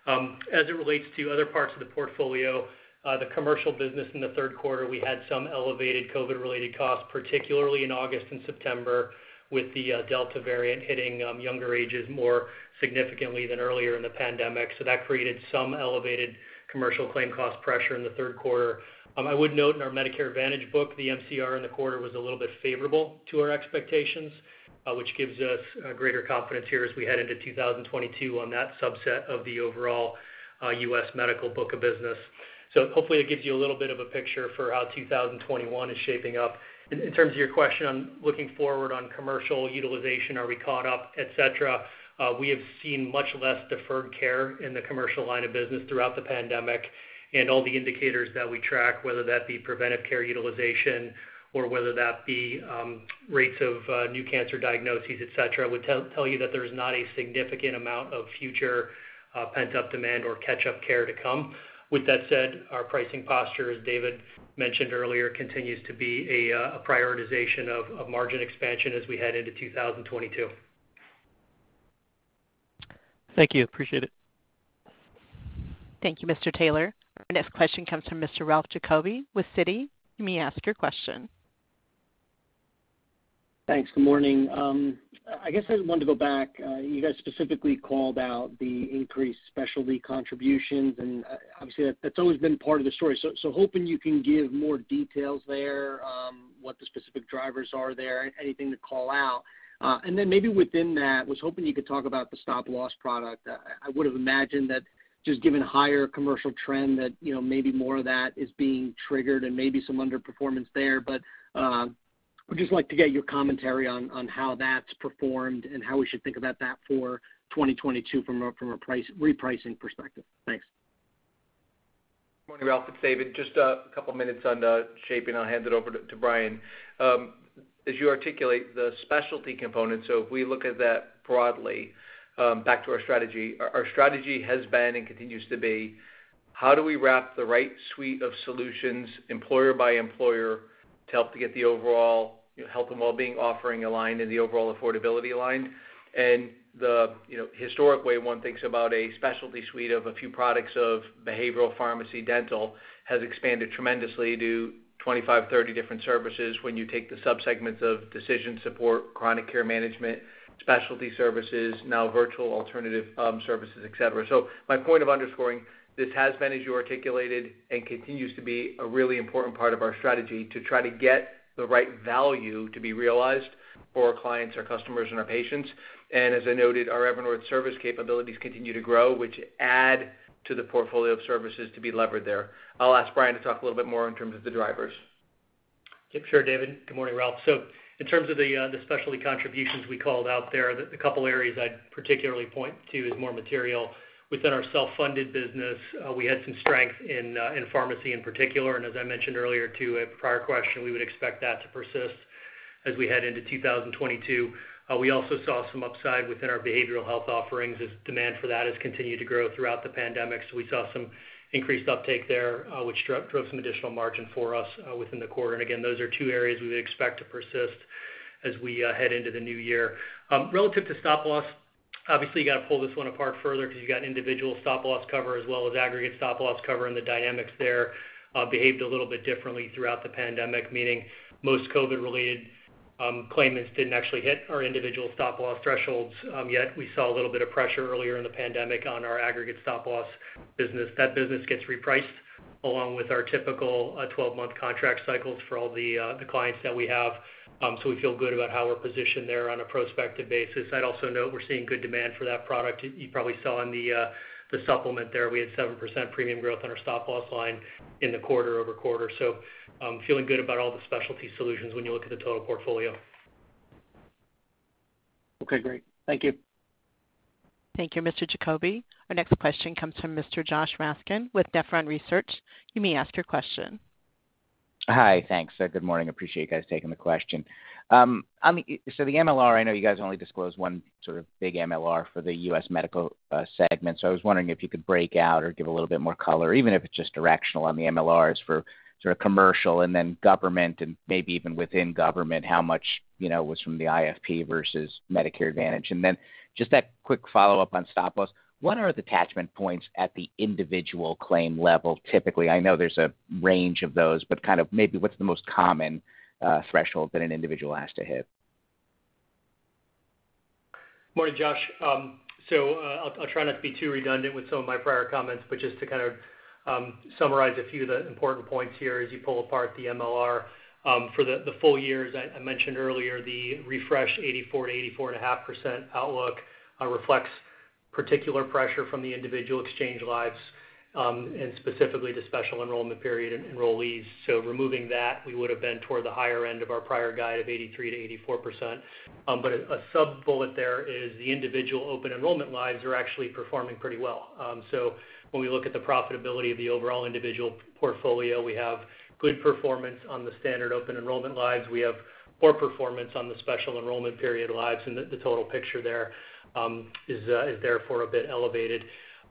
[SPEAKER 4] As it relates to other parts of the portfolio, the commercial business in the third quarter, we had some elevated COVID-related costs, particularly in August and September, with the Delta variant hitting younger ages more significantly than earlier in the pandemic. That created some elevated commercial claim cost pressure in the third quarter. I would note in our Medicare Advantage book, the MCR in the quarter was a little bit favorable to our expectations, which gives us greater confidence here as we head into 2022 on that subset of the overall U.S. medical book of business. Hopefully it gives you a little bit of a picture for how 2021 is shaping up. In terms of your question on looking forward on commercial utilization, are we caught up, et cetera, we have seen much less deferred care in the commercial line of business throughout the pandemic. All the indicators that we track, whether that be preventive care utilization or whether that be rates of new cancer diagnoses, et cetera, would tell you that there's not a significant amount of future pent-up demand or catch-up care to come. With that said, our pricing posture, as David mentioned earlier, continues to be a prioritization of margin expansion as we head into 2022.
[SPEAKER 10] Thank you. Appreciate it.
[SPEAKER 1] Thank you, Mr. Taylor. Our next question comes from Mr. Ralph Giacobbe with Citi. You may ask your question.
[SPEAKER 11] Thanks. Good morning. I guess I wanted to go back. You guys specifically called out the increased specialty contributions, and obviously that's always been part of the story. Hoping you can give more details there, what the specific drivers are there, anything to call out. Then maybe within that, was hoping you could talk about the stop loss product. I would have imagined that just given higher commercial trend, that you know, maybe more of that is being triggered and maybe some underperformance there. Would just like to get your commentary on how that's performed and how we should think about that for 2022 from a price repricing perspective. Thanks.
[SPEAKER 3] Morning, Ralph. It's David. Just a couple of minutes on the shaping. I'll hand it over to Brian. As you articulate the specialty component, so if we look at that broadly, back to our strategy, our strategy has been and continues to be how do we wrap the right suite of solutions employer by employer to help to get the overall, you know, health and well-being offering aligned and the overall affordability aligned. The, you know, historic way one thinks about a specialty suite of a few products of behavioral pharmacy dental has expanded tremendously to 25, 30 different services when you take the subsegments of decision support, chronic care management, specialty services, now virtual alternative, services, et cetera. My point of underscoring this has been, as you articulated, and continues to be a really important part of our strategy to try to get the right value to be realized for our clients, our customers, and our patients. As I noted, our Evernorth service capabilities continue to grow, which add to the portfolio of services to be levered there. I'll ask Brian to talk a little bit more in terms of the drivers.
[SPEAKER 4] Sure, David. Good morning, Ralph. In terms of the specialty contributions we called out there, the couple areas I'd particularly point to is more material. Within our self-funded business, we had some strength in pharmacy in particular, and as I mentioned earlier too, a prior question, we would expect that to persist as we head into 2022. We also saw some upside within our behavioral health offerings as demand for that has continued to grow throughout the pandemic. We saw some increased uptake there, which drove some additional margin for us, within the quarter. Those are two areas we would expect to persist as we head into the new year. Relative to stop loss, obviously, you gotta pull this one apart further 'cause you've got individual stop loss cover as well as aggregate stop loss cover, and the dynamics there, behaved a little bit differently throughout the pandemic. Meaning most COVID-related claimants didn't actually hit our individual stop loss thresholds. Yet we saw a little bit of pressure earlier in the pandemic on our aggregate stop loss business. That business gets repriced along with our typical 12-month contract cycles for all the clients that we have. We feel good about how we're positioned there on a prospective basis. I'd also note we're seeing good demand for that product. You probably saw in the supplement there, we had 7% premium growth on our stop loss line in the quarter-over-quarter. Feeling good about all the specialty solutions when you look at the total portfolio.
[SPEAKER 11] Okay, great. Thank you.
[SPEAKER 1] Thank you, Mr. Giacobbe. Our next question comes from Mr. Joshua Raskin with Nephron Research. You may ask your question.
[SPEAKER 12] Hi. Thanks. Good morning. Appreciate you guys taking the question. The MLR, I know you guys only disclose one sort of big MLR for the U.S. Medical segment, so I was wondering if you could break out or give a little bit more color, even if it's just directional on the MLRs for sort of Commercial and then Government and maybe even within Government, how much, you know, was from the IFP versus Medicare Advantage. Just that quick follow-up on stop loss, what are the attachment points at the individual claim level typically? I know there's a range of those, but kind of maybe what's the most common threshold that an individual has to hit?
[SPEAKER 4] Morning, Josh. I'll try not to be too redundant with some of my prior comments, but just to kind of summarize a few of the important points here as you pull apart the MLR. For the full year, as I mentioned earlier, the refresh 84%-84.5% outlook reflects particular pressure from the individual exchange lives, and specifically the special enrollment period enrollees. Removing that, we would've been toward the higher end of our prior guide of 83%-84%. A sub-bullet there is the individual open enrollment lives are actually performing pretty well. When we look at the profitability of the overall individual portfolio, we have good performance on the standard open enrollment lives. We have poor performance on the special enrollment period lives, and the total picture there is therefore a bit elevated.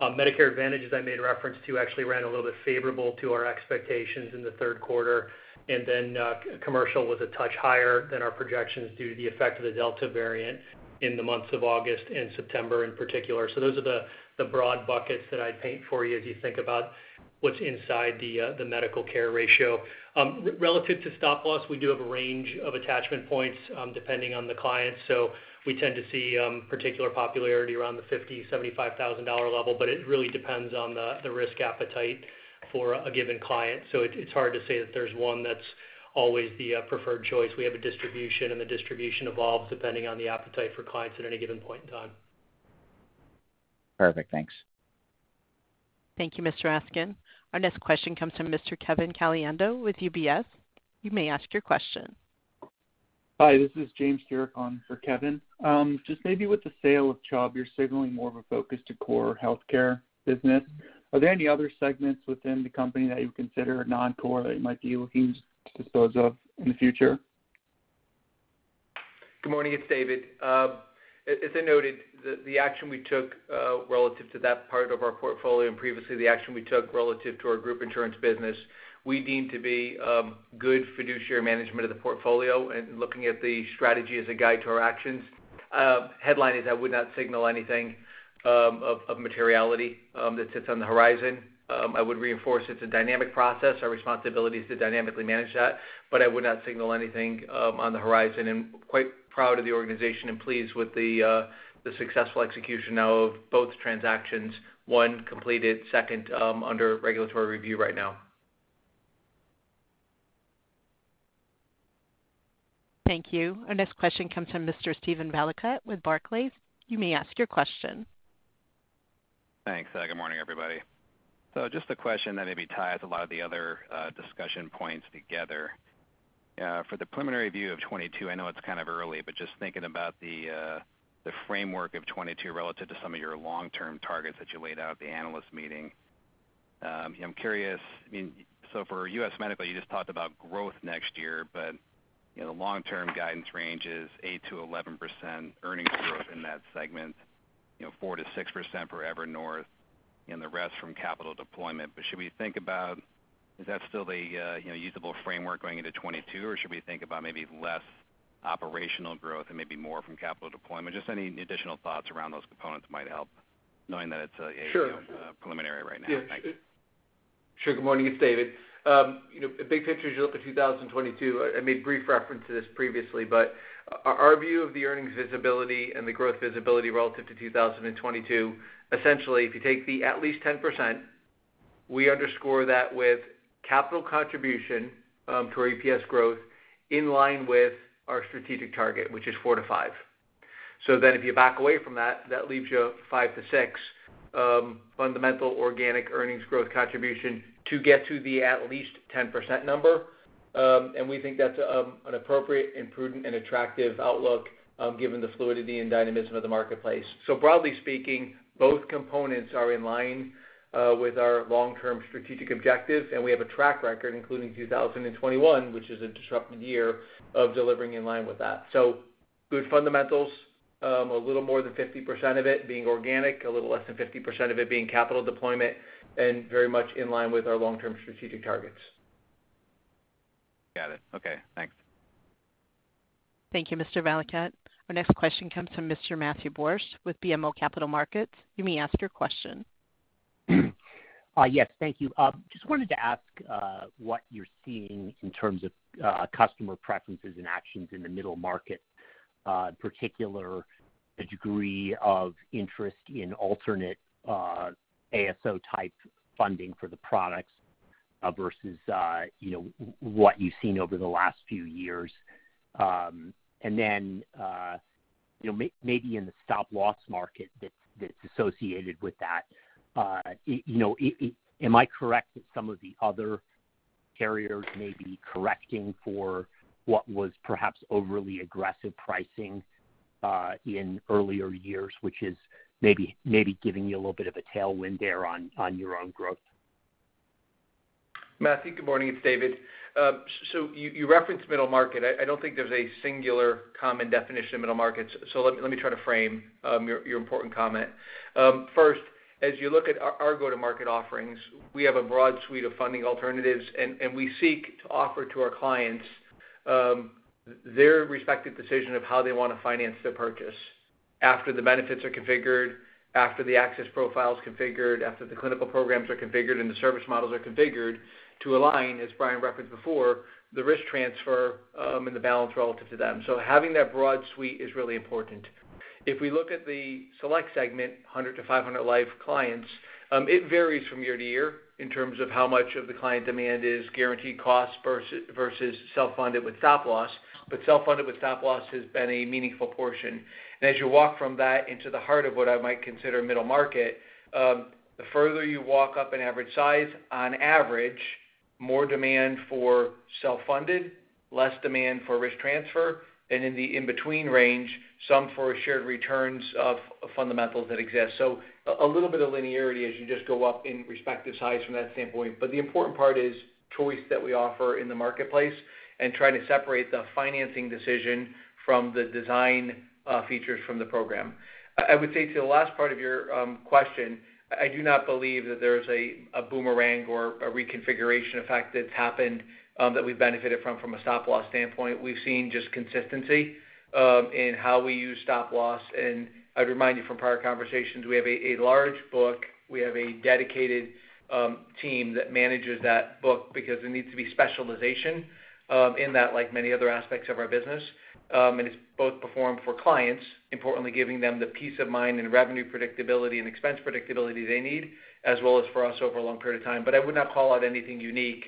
[SPEAKER 4] Medicare Advantage, as I made reference to, actually ran a little bit favorable to our expectations in the third quarter. Commercial was a touch higher than our projections due to the effect of the Delta variant in the months of August and September in particular. Those are the broad buckets that I'd paint for you as you think about what's inside the medical care ratio. Relative to stop loss, we do have a range of attachment points depending on the client. We tend to see particular popularity around the $50,000-$75,000 level, but it really depends on the risk appetite for a given client. It's hard to say that there's one that's always the preferred choice. We have a distribution, and the distribution evolves depending on the appetite for clients at any given point in time.
[SPEAKER 12] Perfect. Thanks.
[SPEAKER 1] Thank you, Mr. Raskin. Our next question comes from Mr. Kevin Caliendo with UBS. You may ask your question.
[SPEAKER 13] Hi, this is James Stewart on for Kevin. Just maybe with the sale of Chubb, you're signaling more of a focus to core healthcare business. Are there any other segments within the company that you consider non-core that you might be looking to dispose of in the future?
[SPEAKER 3] Good morning. It's David. As I noted, the action we took relative to that part of our portfolio and previously the action we took relative to our group insurance business, we deem to be good fiduciary management of the portfolio and looking at the strategy as a guide to our actions. Headline is I would not signal anything of materiality that sits on the horizon. I would reinforce it's a dynamic process. Our responsibility is to dynamically manage that, but I would not signal anything on the horizon. Quite proud of the organization and pleased with the successful execution now of both transactions. One completed, second under regulatory review right now.
[SPEAKER 1] Thank you. Our next question comes from Mr. Steven Valiquette with Barclays. You may ask your question.
[SPEAKER 14] Thanks. Good morning, everybody. Just a question that maybe ties a lot of the other discussion points together. For the preliminary view of 2022, I know it's kind of early, but just thinking about the framework of 2022 relative to some of your long-term targets that you laid out at the analyst meeting. I'm curious. I mean, for U.S. Medical, you just talked about growth next year, but you know, the long-term guidance range is 8%-11% earnings growth in that segment, you know, 4%-6% for Evernorth and the rest from capital deployment. Should we think about is that still the you know usable framework going into 2022, or should we think about maybe less operational growth and maybe more from capital deployment? Just any additional thoughts around those components might help, knowing that it's a.
[SPEAKER 3] Sure.
[SPEAKER 14] you know, preliminary right now.
[SPEAKER 3] Yeah.
[SPEAKER 14] Thanks.
[SPEAKER 3] Sure. Good morning. It's David. You know, big picture as you look at 2022, I made brief reference to this previously, but our view of the earnings visibility and the growth visibility relative to 2022, essentially, if you take the at least 10%, we underscore that with capital contribution to our EPS growth in line with our strategic target, which is 4%-5%. If you back away from that leaves you 5%-6% fundamental organic earnings growth contribution to get to the at least 10% number. We think that's an appropriate and prudent and attractive outlook, given the fluidity and dynamism of the marketplace. Broadly speaking, both components are in line with our long-term strategic objectives, and we have a track record, including 2021, which is a disrupted year of delivering in line with that. Good fundamentals, a little more than 50% of it being organic, a little less than 50% of it being capital deployment, and very much in line with our long-term strategic targets.
[SPEAKER 14] Got it. Okay, thanks.
[SPEAKER 1] Thank you, Mr. Valiquette. Our next question comes from Mr. Matthew Borsch with BMO Capital Markets. You may ask your question.
[SPEAKER 15] Yes, thank you. Just wanted to ask what you're seeing in terms of customer preferences and actions in the middle market, particularly the degree of interest in alternative ASO type funding for the products versus you know what you've seen over the last few years. Then you know maybe in the stop loss market that's associated with that you know am I correct that some of the other carriers may be correcting for what was perhaps overly aggressive pricing in earlier years which is maybe giving you a little bit of a tailwind there on your own growth?
[SPEAKER 3] Matthew, good morning. It's David. You referenced middle market. I don't think there's a singular common definition of middle markets, so let me try to frame your important comment. First, as you look at our go-to-market offerings, we have a broad suite of funding alternatives, and we seek to offer to our clients their respective decision of how they wanna finance their purchase after the benefits are configured, after the access profile is configured, after the clinical programs are configured and the service models are configured to align, as Brian referenced before, the risk transfer and the balance relative to them. Having that broad suite is really important. If we look at the select segment, 100 to 500 life clients, it varies from year to year in terms of how much of the client demand is guaranteed costs versus self-funded with stop loss, but self-funded with stop loss has been a meaningful portion. As you walk from that into the heart of what I might consider middle market, the further you walk up in average size, on average, more demand for self-funded, less demand for risk transfer, and in the in-between range, some for shared returns of fundamentals that exist. A little bit of linearity as you just go up in respective size from that standpoint. The important part is choice that we offer in the marketplace and trying to separate the financing decision from the design features from the program. I would say to the last part of your question, I do not believe that there is a boomerang or a reconfiguration effect that's happened that we've benefited from a stop loss standpoint. We've seen just consistency in how we use stop loss, and I'd remind you from prior conversations, we have a large book. We have a dedicated team that manages that book because there needs to be specialization in that like many other aspects of our business. It's both performed for clients, importantly, giving them the peace of mind and revenue predictability and expense predictability they need, as well as for us over a long period of time. I would not call out anything unique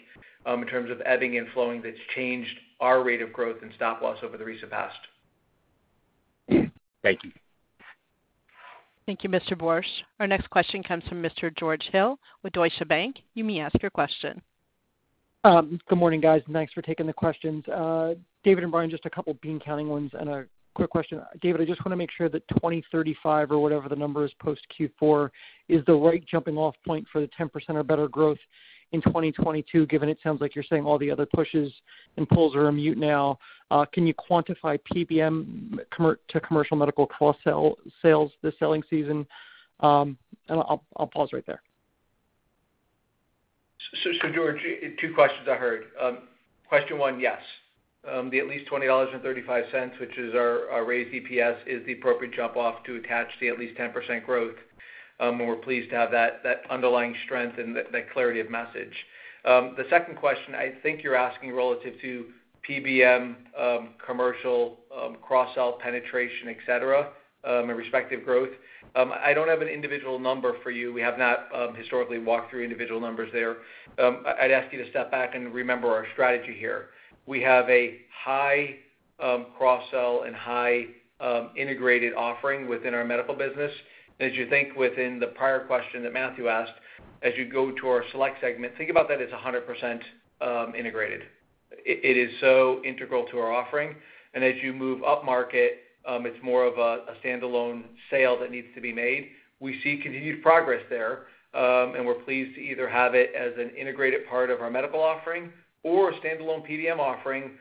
[SPEAKER 3] in terms of ebbing and flowing that's changed our rate of growth in stop loss over the recent past.
[SPEAKER 15] Thank you.
[SPEAKER 1] Thank you, Mr. Borsch. Our next question comes from Mr. George Hill with Deutsche Bank. You may ask your question.
[SPEAKER 16] Good morning, guys. Thanks for taking the questions. David and Brian, just a couple bean counting ones and a quick question. David, I just wanna make sure that 20.35 or whatever the number is post Q4 is the right jumping off point for the 10% or better growth in 2022, given it sounds like you're saying all the other pushes and pulls are on mute now. Can you quantify PBM to commercial medical cross-sell sales this selling season? And I'll pause right there.
[SPEAKER 3] George, two questions I heard. Question one, yes. The at least $20.35, which is our raised EPS, is the appropriate jump off to attach the at least 10% growth. We're pleased to have that underlying strength and that clarity of message. The second question, I think you're asking relative to PBM, commercial, cross-sell penetration, et cetera, and respective growth. I don't have an individual number for you. We have not historically walked through individual numbers there. I'd ask you to step back and remember our strategy here. We have a high cross-sell and high integrated offering within our medical business. As you think within the prior question that Matthew asked, as you go to our select segment, think about that as 100% integrated. It is so integral to our offering. As you move upmarket, it's more of a standalone sale that needs to be made. We see continued progress there, and we're pleased to either have it as an integrated part of our medical offering or a standalone PBM offering,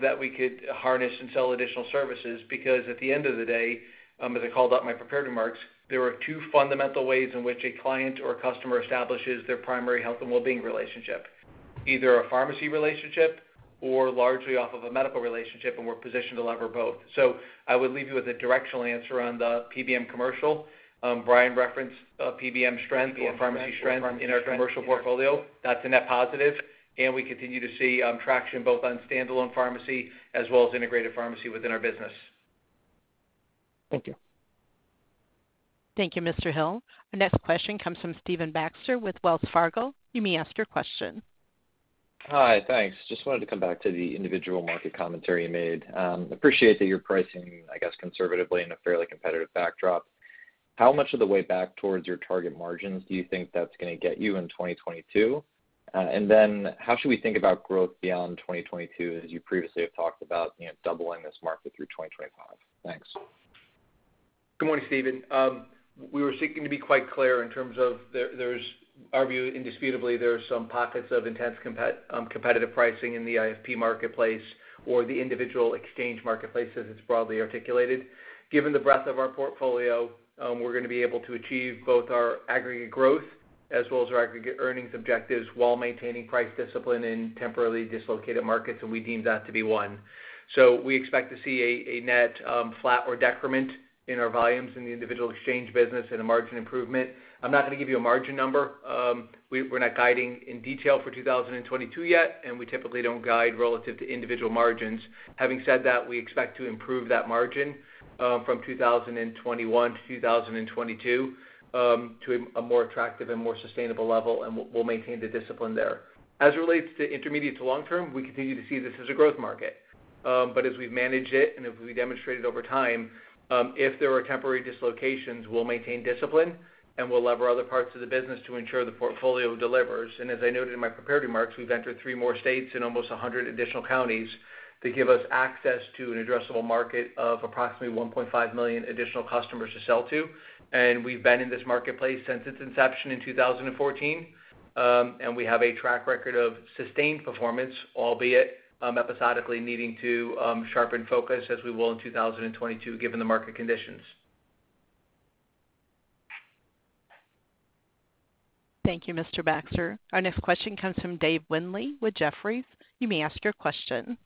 [SPEAKER 3] that we could harness and sell additional services. Because at the end of the day, as I called out in my prepared remarks, there are two fundamental ways in which a client or customer establishes their primary health and wellbeing relationship. Either a pharmacy relationship or largely off of a medical relationship, we're positioned to leverage both. I would leave you with a directional answer on the PBM commercial. Brian referenced PBM strength or pharmacy strength in our commercial portfolio. That's a net positive, and we continue to see traction both on standalone pharmacy as well as integrated pharmacy within our business.
[SPEAKER 16] Thank you.
[SPEAKER 1] Thank you, Mr. Hill. Our next question comes from Stephen Baxter with Wells Fargo. You may ask your question.
[SPEAKER 17] Hi, thanks. Just wanted to come back to the individual market commentary you made. Appreciate that you're pricing, I guess, conservatively in a fairly competitive backdrop. How much of the way back towards your target margins do you think that's gonna get you in 2022? Then how should we think about growth beyond 2022, as you previously have talked about, you know, doubling this market through 2025? Thanks.
[SPEAKER 3] Good morning, Stephen. We were seeking to be quite clear in terms of, there's our view indisputably, there are some pockets of intense competitive pricing in the IFP marketplace or the individual exchange marketplace as it's broadly articulated. Given the breadth of our portfolio, we're gonna be able to achieve both our aggregate growth as well as our aggregate earnings objectives while maintaining price discipline in temporarily dislocated markets, and we deem that to be one. We expect to see a net flat or decrement in our volumes in the individual exchange business and a margin improvement. I'm not gonna give you a margin number. We're not guiding in detail for 2022 yet, and we typically don't guide relative to individual margins. Having said that, we expect to improve that margin from 2021 to 2022 to a more attractive and more sustainable level, and we'll maintain the discipline there. As it relates to intermediate to long term, we continue to see this as a growth market. As we've managed it and as we demonstrated over time, if there are temporary dislocations, we'll maintain discipline, and we'll lever other parts of the business to ensure the portfolio delivers. As I noted in my prepared remarks, we've entered three more states in almost 100 additional counties to give us access to an addressable market of approximately 1.5 million additional customers to sell to. We've been in this marketplace since its inception in 2014. We have a track record of sustained performance, albeit episodically needing to sharpen focus as we will in 2022 given the market conditions.
[SPEAKER 1] Thank you, Mr. Baxter. Our next question comes from Dave Windley with Jefferies. You may ask your question.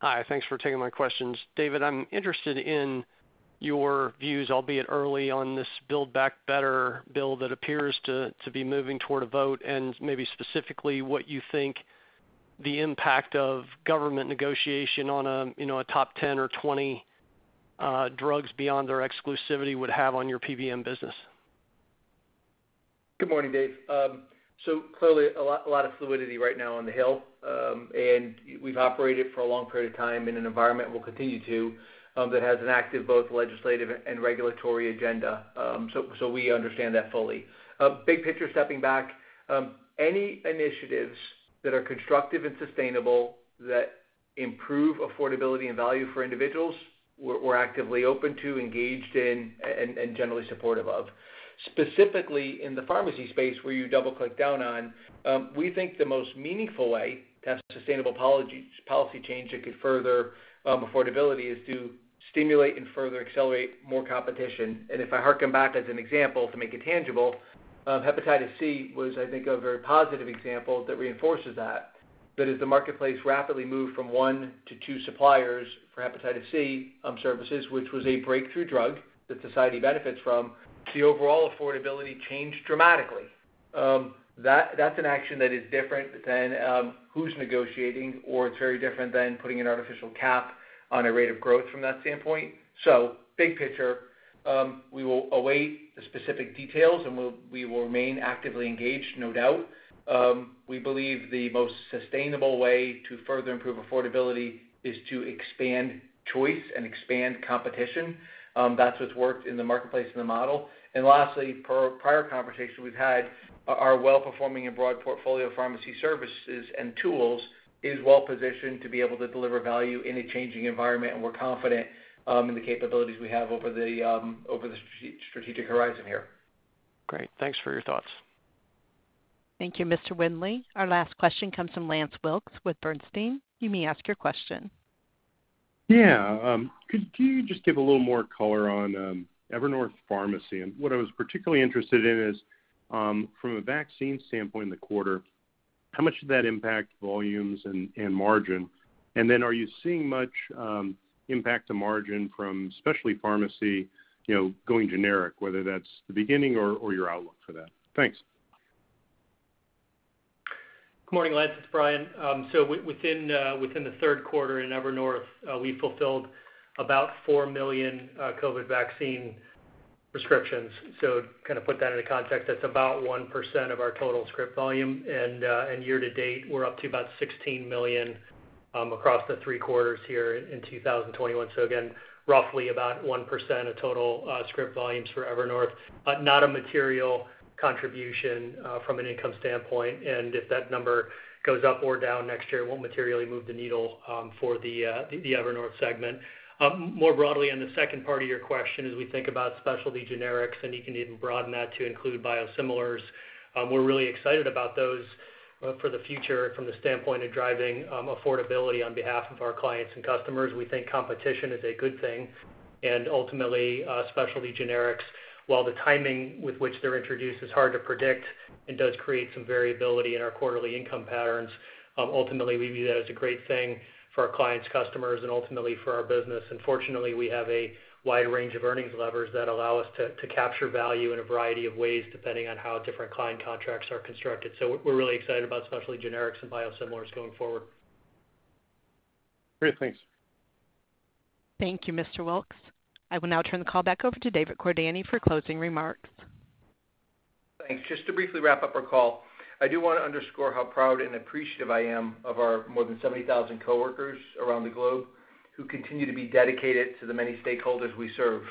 [SPEAKER 18] Hi. Thanks for taking my questions. David, I'm interested in your views, albeit early, on this Build Back Better bill that appears to be moving toward a vote, and maybe specifically what you think the impact of government negotiation on a, you know, a top 10 or 20 drugs beyond their exclusivity would have on your PBM business.
[SPEAKER 3] Good morning, Dave. So clearly a lot of fluidity right now on the Hill, and we've operated for a long period of time in an environment we'll continue to that has an active both legislative and regulatory agenda. So we understand that fully. Big picture stepping back, any initiatives that are constructive and sustainable that improve affordability and value for individuals, we're actively open to, engaged in, and generally supportive of. Specifically, in the pharmacy space where you double-click down on, we think the most meaningful way to have sustainable policy change that could further affordability is to stimulate and further accelerate more competition. If I harken back as an example to make it tangible, hepatitis C was, I think, a very positive example that reinforces that. As the marketplace rapidly moved from one to two suppliers for hepatitis C services, which was a breakthrough drug that society benefits from, the overall affordability changed dramatically. That's an action that is different than who's negotiating, or it's very different than putting an artificial cap on a rate of growth from that standpoint. Big picture, we will await the specific details, and we will remain actively engaged, no doubt. We believe the most sustainable way to further improve affordability is to expand choice and expand competition. That's what's worked in the marketplace and the model. Lastly, per prior conversation we've had, our well-performing and broad portfolio of pharmacy services and tools is well positioned to be able to deliver value in a changing environment, and we're confident in the capabilities we have over the strategic horizon here.
[SPEAKER 18] Great. Thanks for your thoughts.
[SPEAKER 1] Thank you, Mr. Windley. Our last question comes from Lance Wilkes with Bernstein. You may ask your question.
[SPEAKER 19] Yeah. Could you just give a little more color on Evernorth Pharmacy? What I was particularly interested in is from a vaccine standpoint in the quarter, how much did that impact volumes and margin? Then are you seeing much impact to margin from specialty pharmacy, you know, going generic, whether that's the beginning or your outlook for that? Thanks.
[SPEAKER 4] Good morning, Lance. It's Brian. Within the third quarter in Evernorth, we fulfilled about 4 million COVID vaccine prescriptions. To kinda put that into context, that's about 1% of our total script volume. Year-to-date, we're up to about 16 million across the three quarters here in 2021. Again, roughly about 1% of total script volumes for Evernorth, but not a material contribution from an income standpoint. If that number goes up or down next year, it won't materially move the needle for the Evernorth segment. More broadly on the second part of your question, as we think about specialty generics, and you can even broaden that to include biosimilars, we're really excited about those for the future from the standpoint of driving affordability on behalf of our clients and customers. We think competition is a good thing. Ultimately, specialty generics, while the timing with which they're introduced is hard to predict and does create some variability in our quarterly income patterns, ultimately, we view that as a great thing for our clients, customers, and ultimately for our business. Fortunately, we have a wide range of earnings levers that allow us to capture value in a variety of ways, depending on how different client contracts are constructed. We're really excited about specialty generics and biosimilars going forward.
[SPEAKER 19] Great. Thanks.
[SPEAKER 1] Thank you, Mr. Wilkes. I will now turn the call back over to David Cordani for closing remarks.
[SPEAKER 3] Thanks. Just to briefly wrap up our call, I do wanna underscore how proud and appreciative I am of our more than 70,000 coworkers around the globe who continue to be dedicated to the many stakeholders we serve.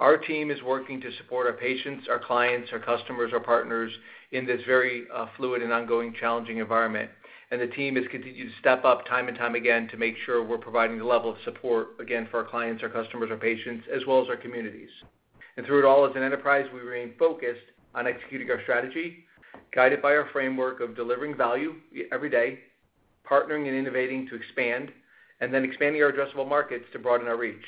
[SPEAKER 3] Our team is working to support our patients, our clients, our customers, our partners in this very fluid and ongoing challenging environment. The team has continued to step up time and time again to make sure we're providing the level of support, again, for our clients, our customers, our patients, as well as our communities. Through it all, as an enterprise, we remain focused on executing our strategy, guided by our framework of delivering value every day, partnering and innovating to expand, and then expanding our addressable markets to broaden our reach.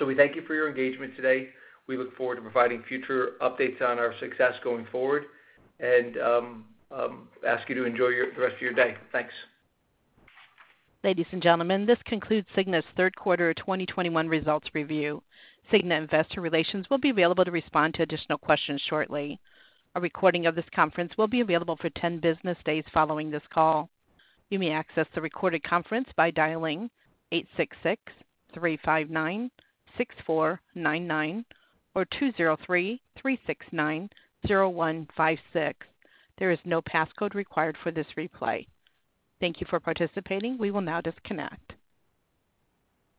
[SPEAKER 3] We thank you for your engagement today. We look forward to providing future updates on our success going forward, and ask you to enjoy the rest of your day. Thanks.
[SPEAKER 1] Ladies and gentlemen, this concludes Cigna's third quarter of 2021 results review. Cigna investor relations will be available to respond to additional questions shortly. A recording of this conference will be available for 10 business days following this call. You may access the recorded conference by dialing eight six six three five nine six four nine nine or two zero three three six nine zero one five six. There is no passcode required for this replay. Thank you for participating. We will now disconnect.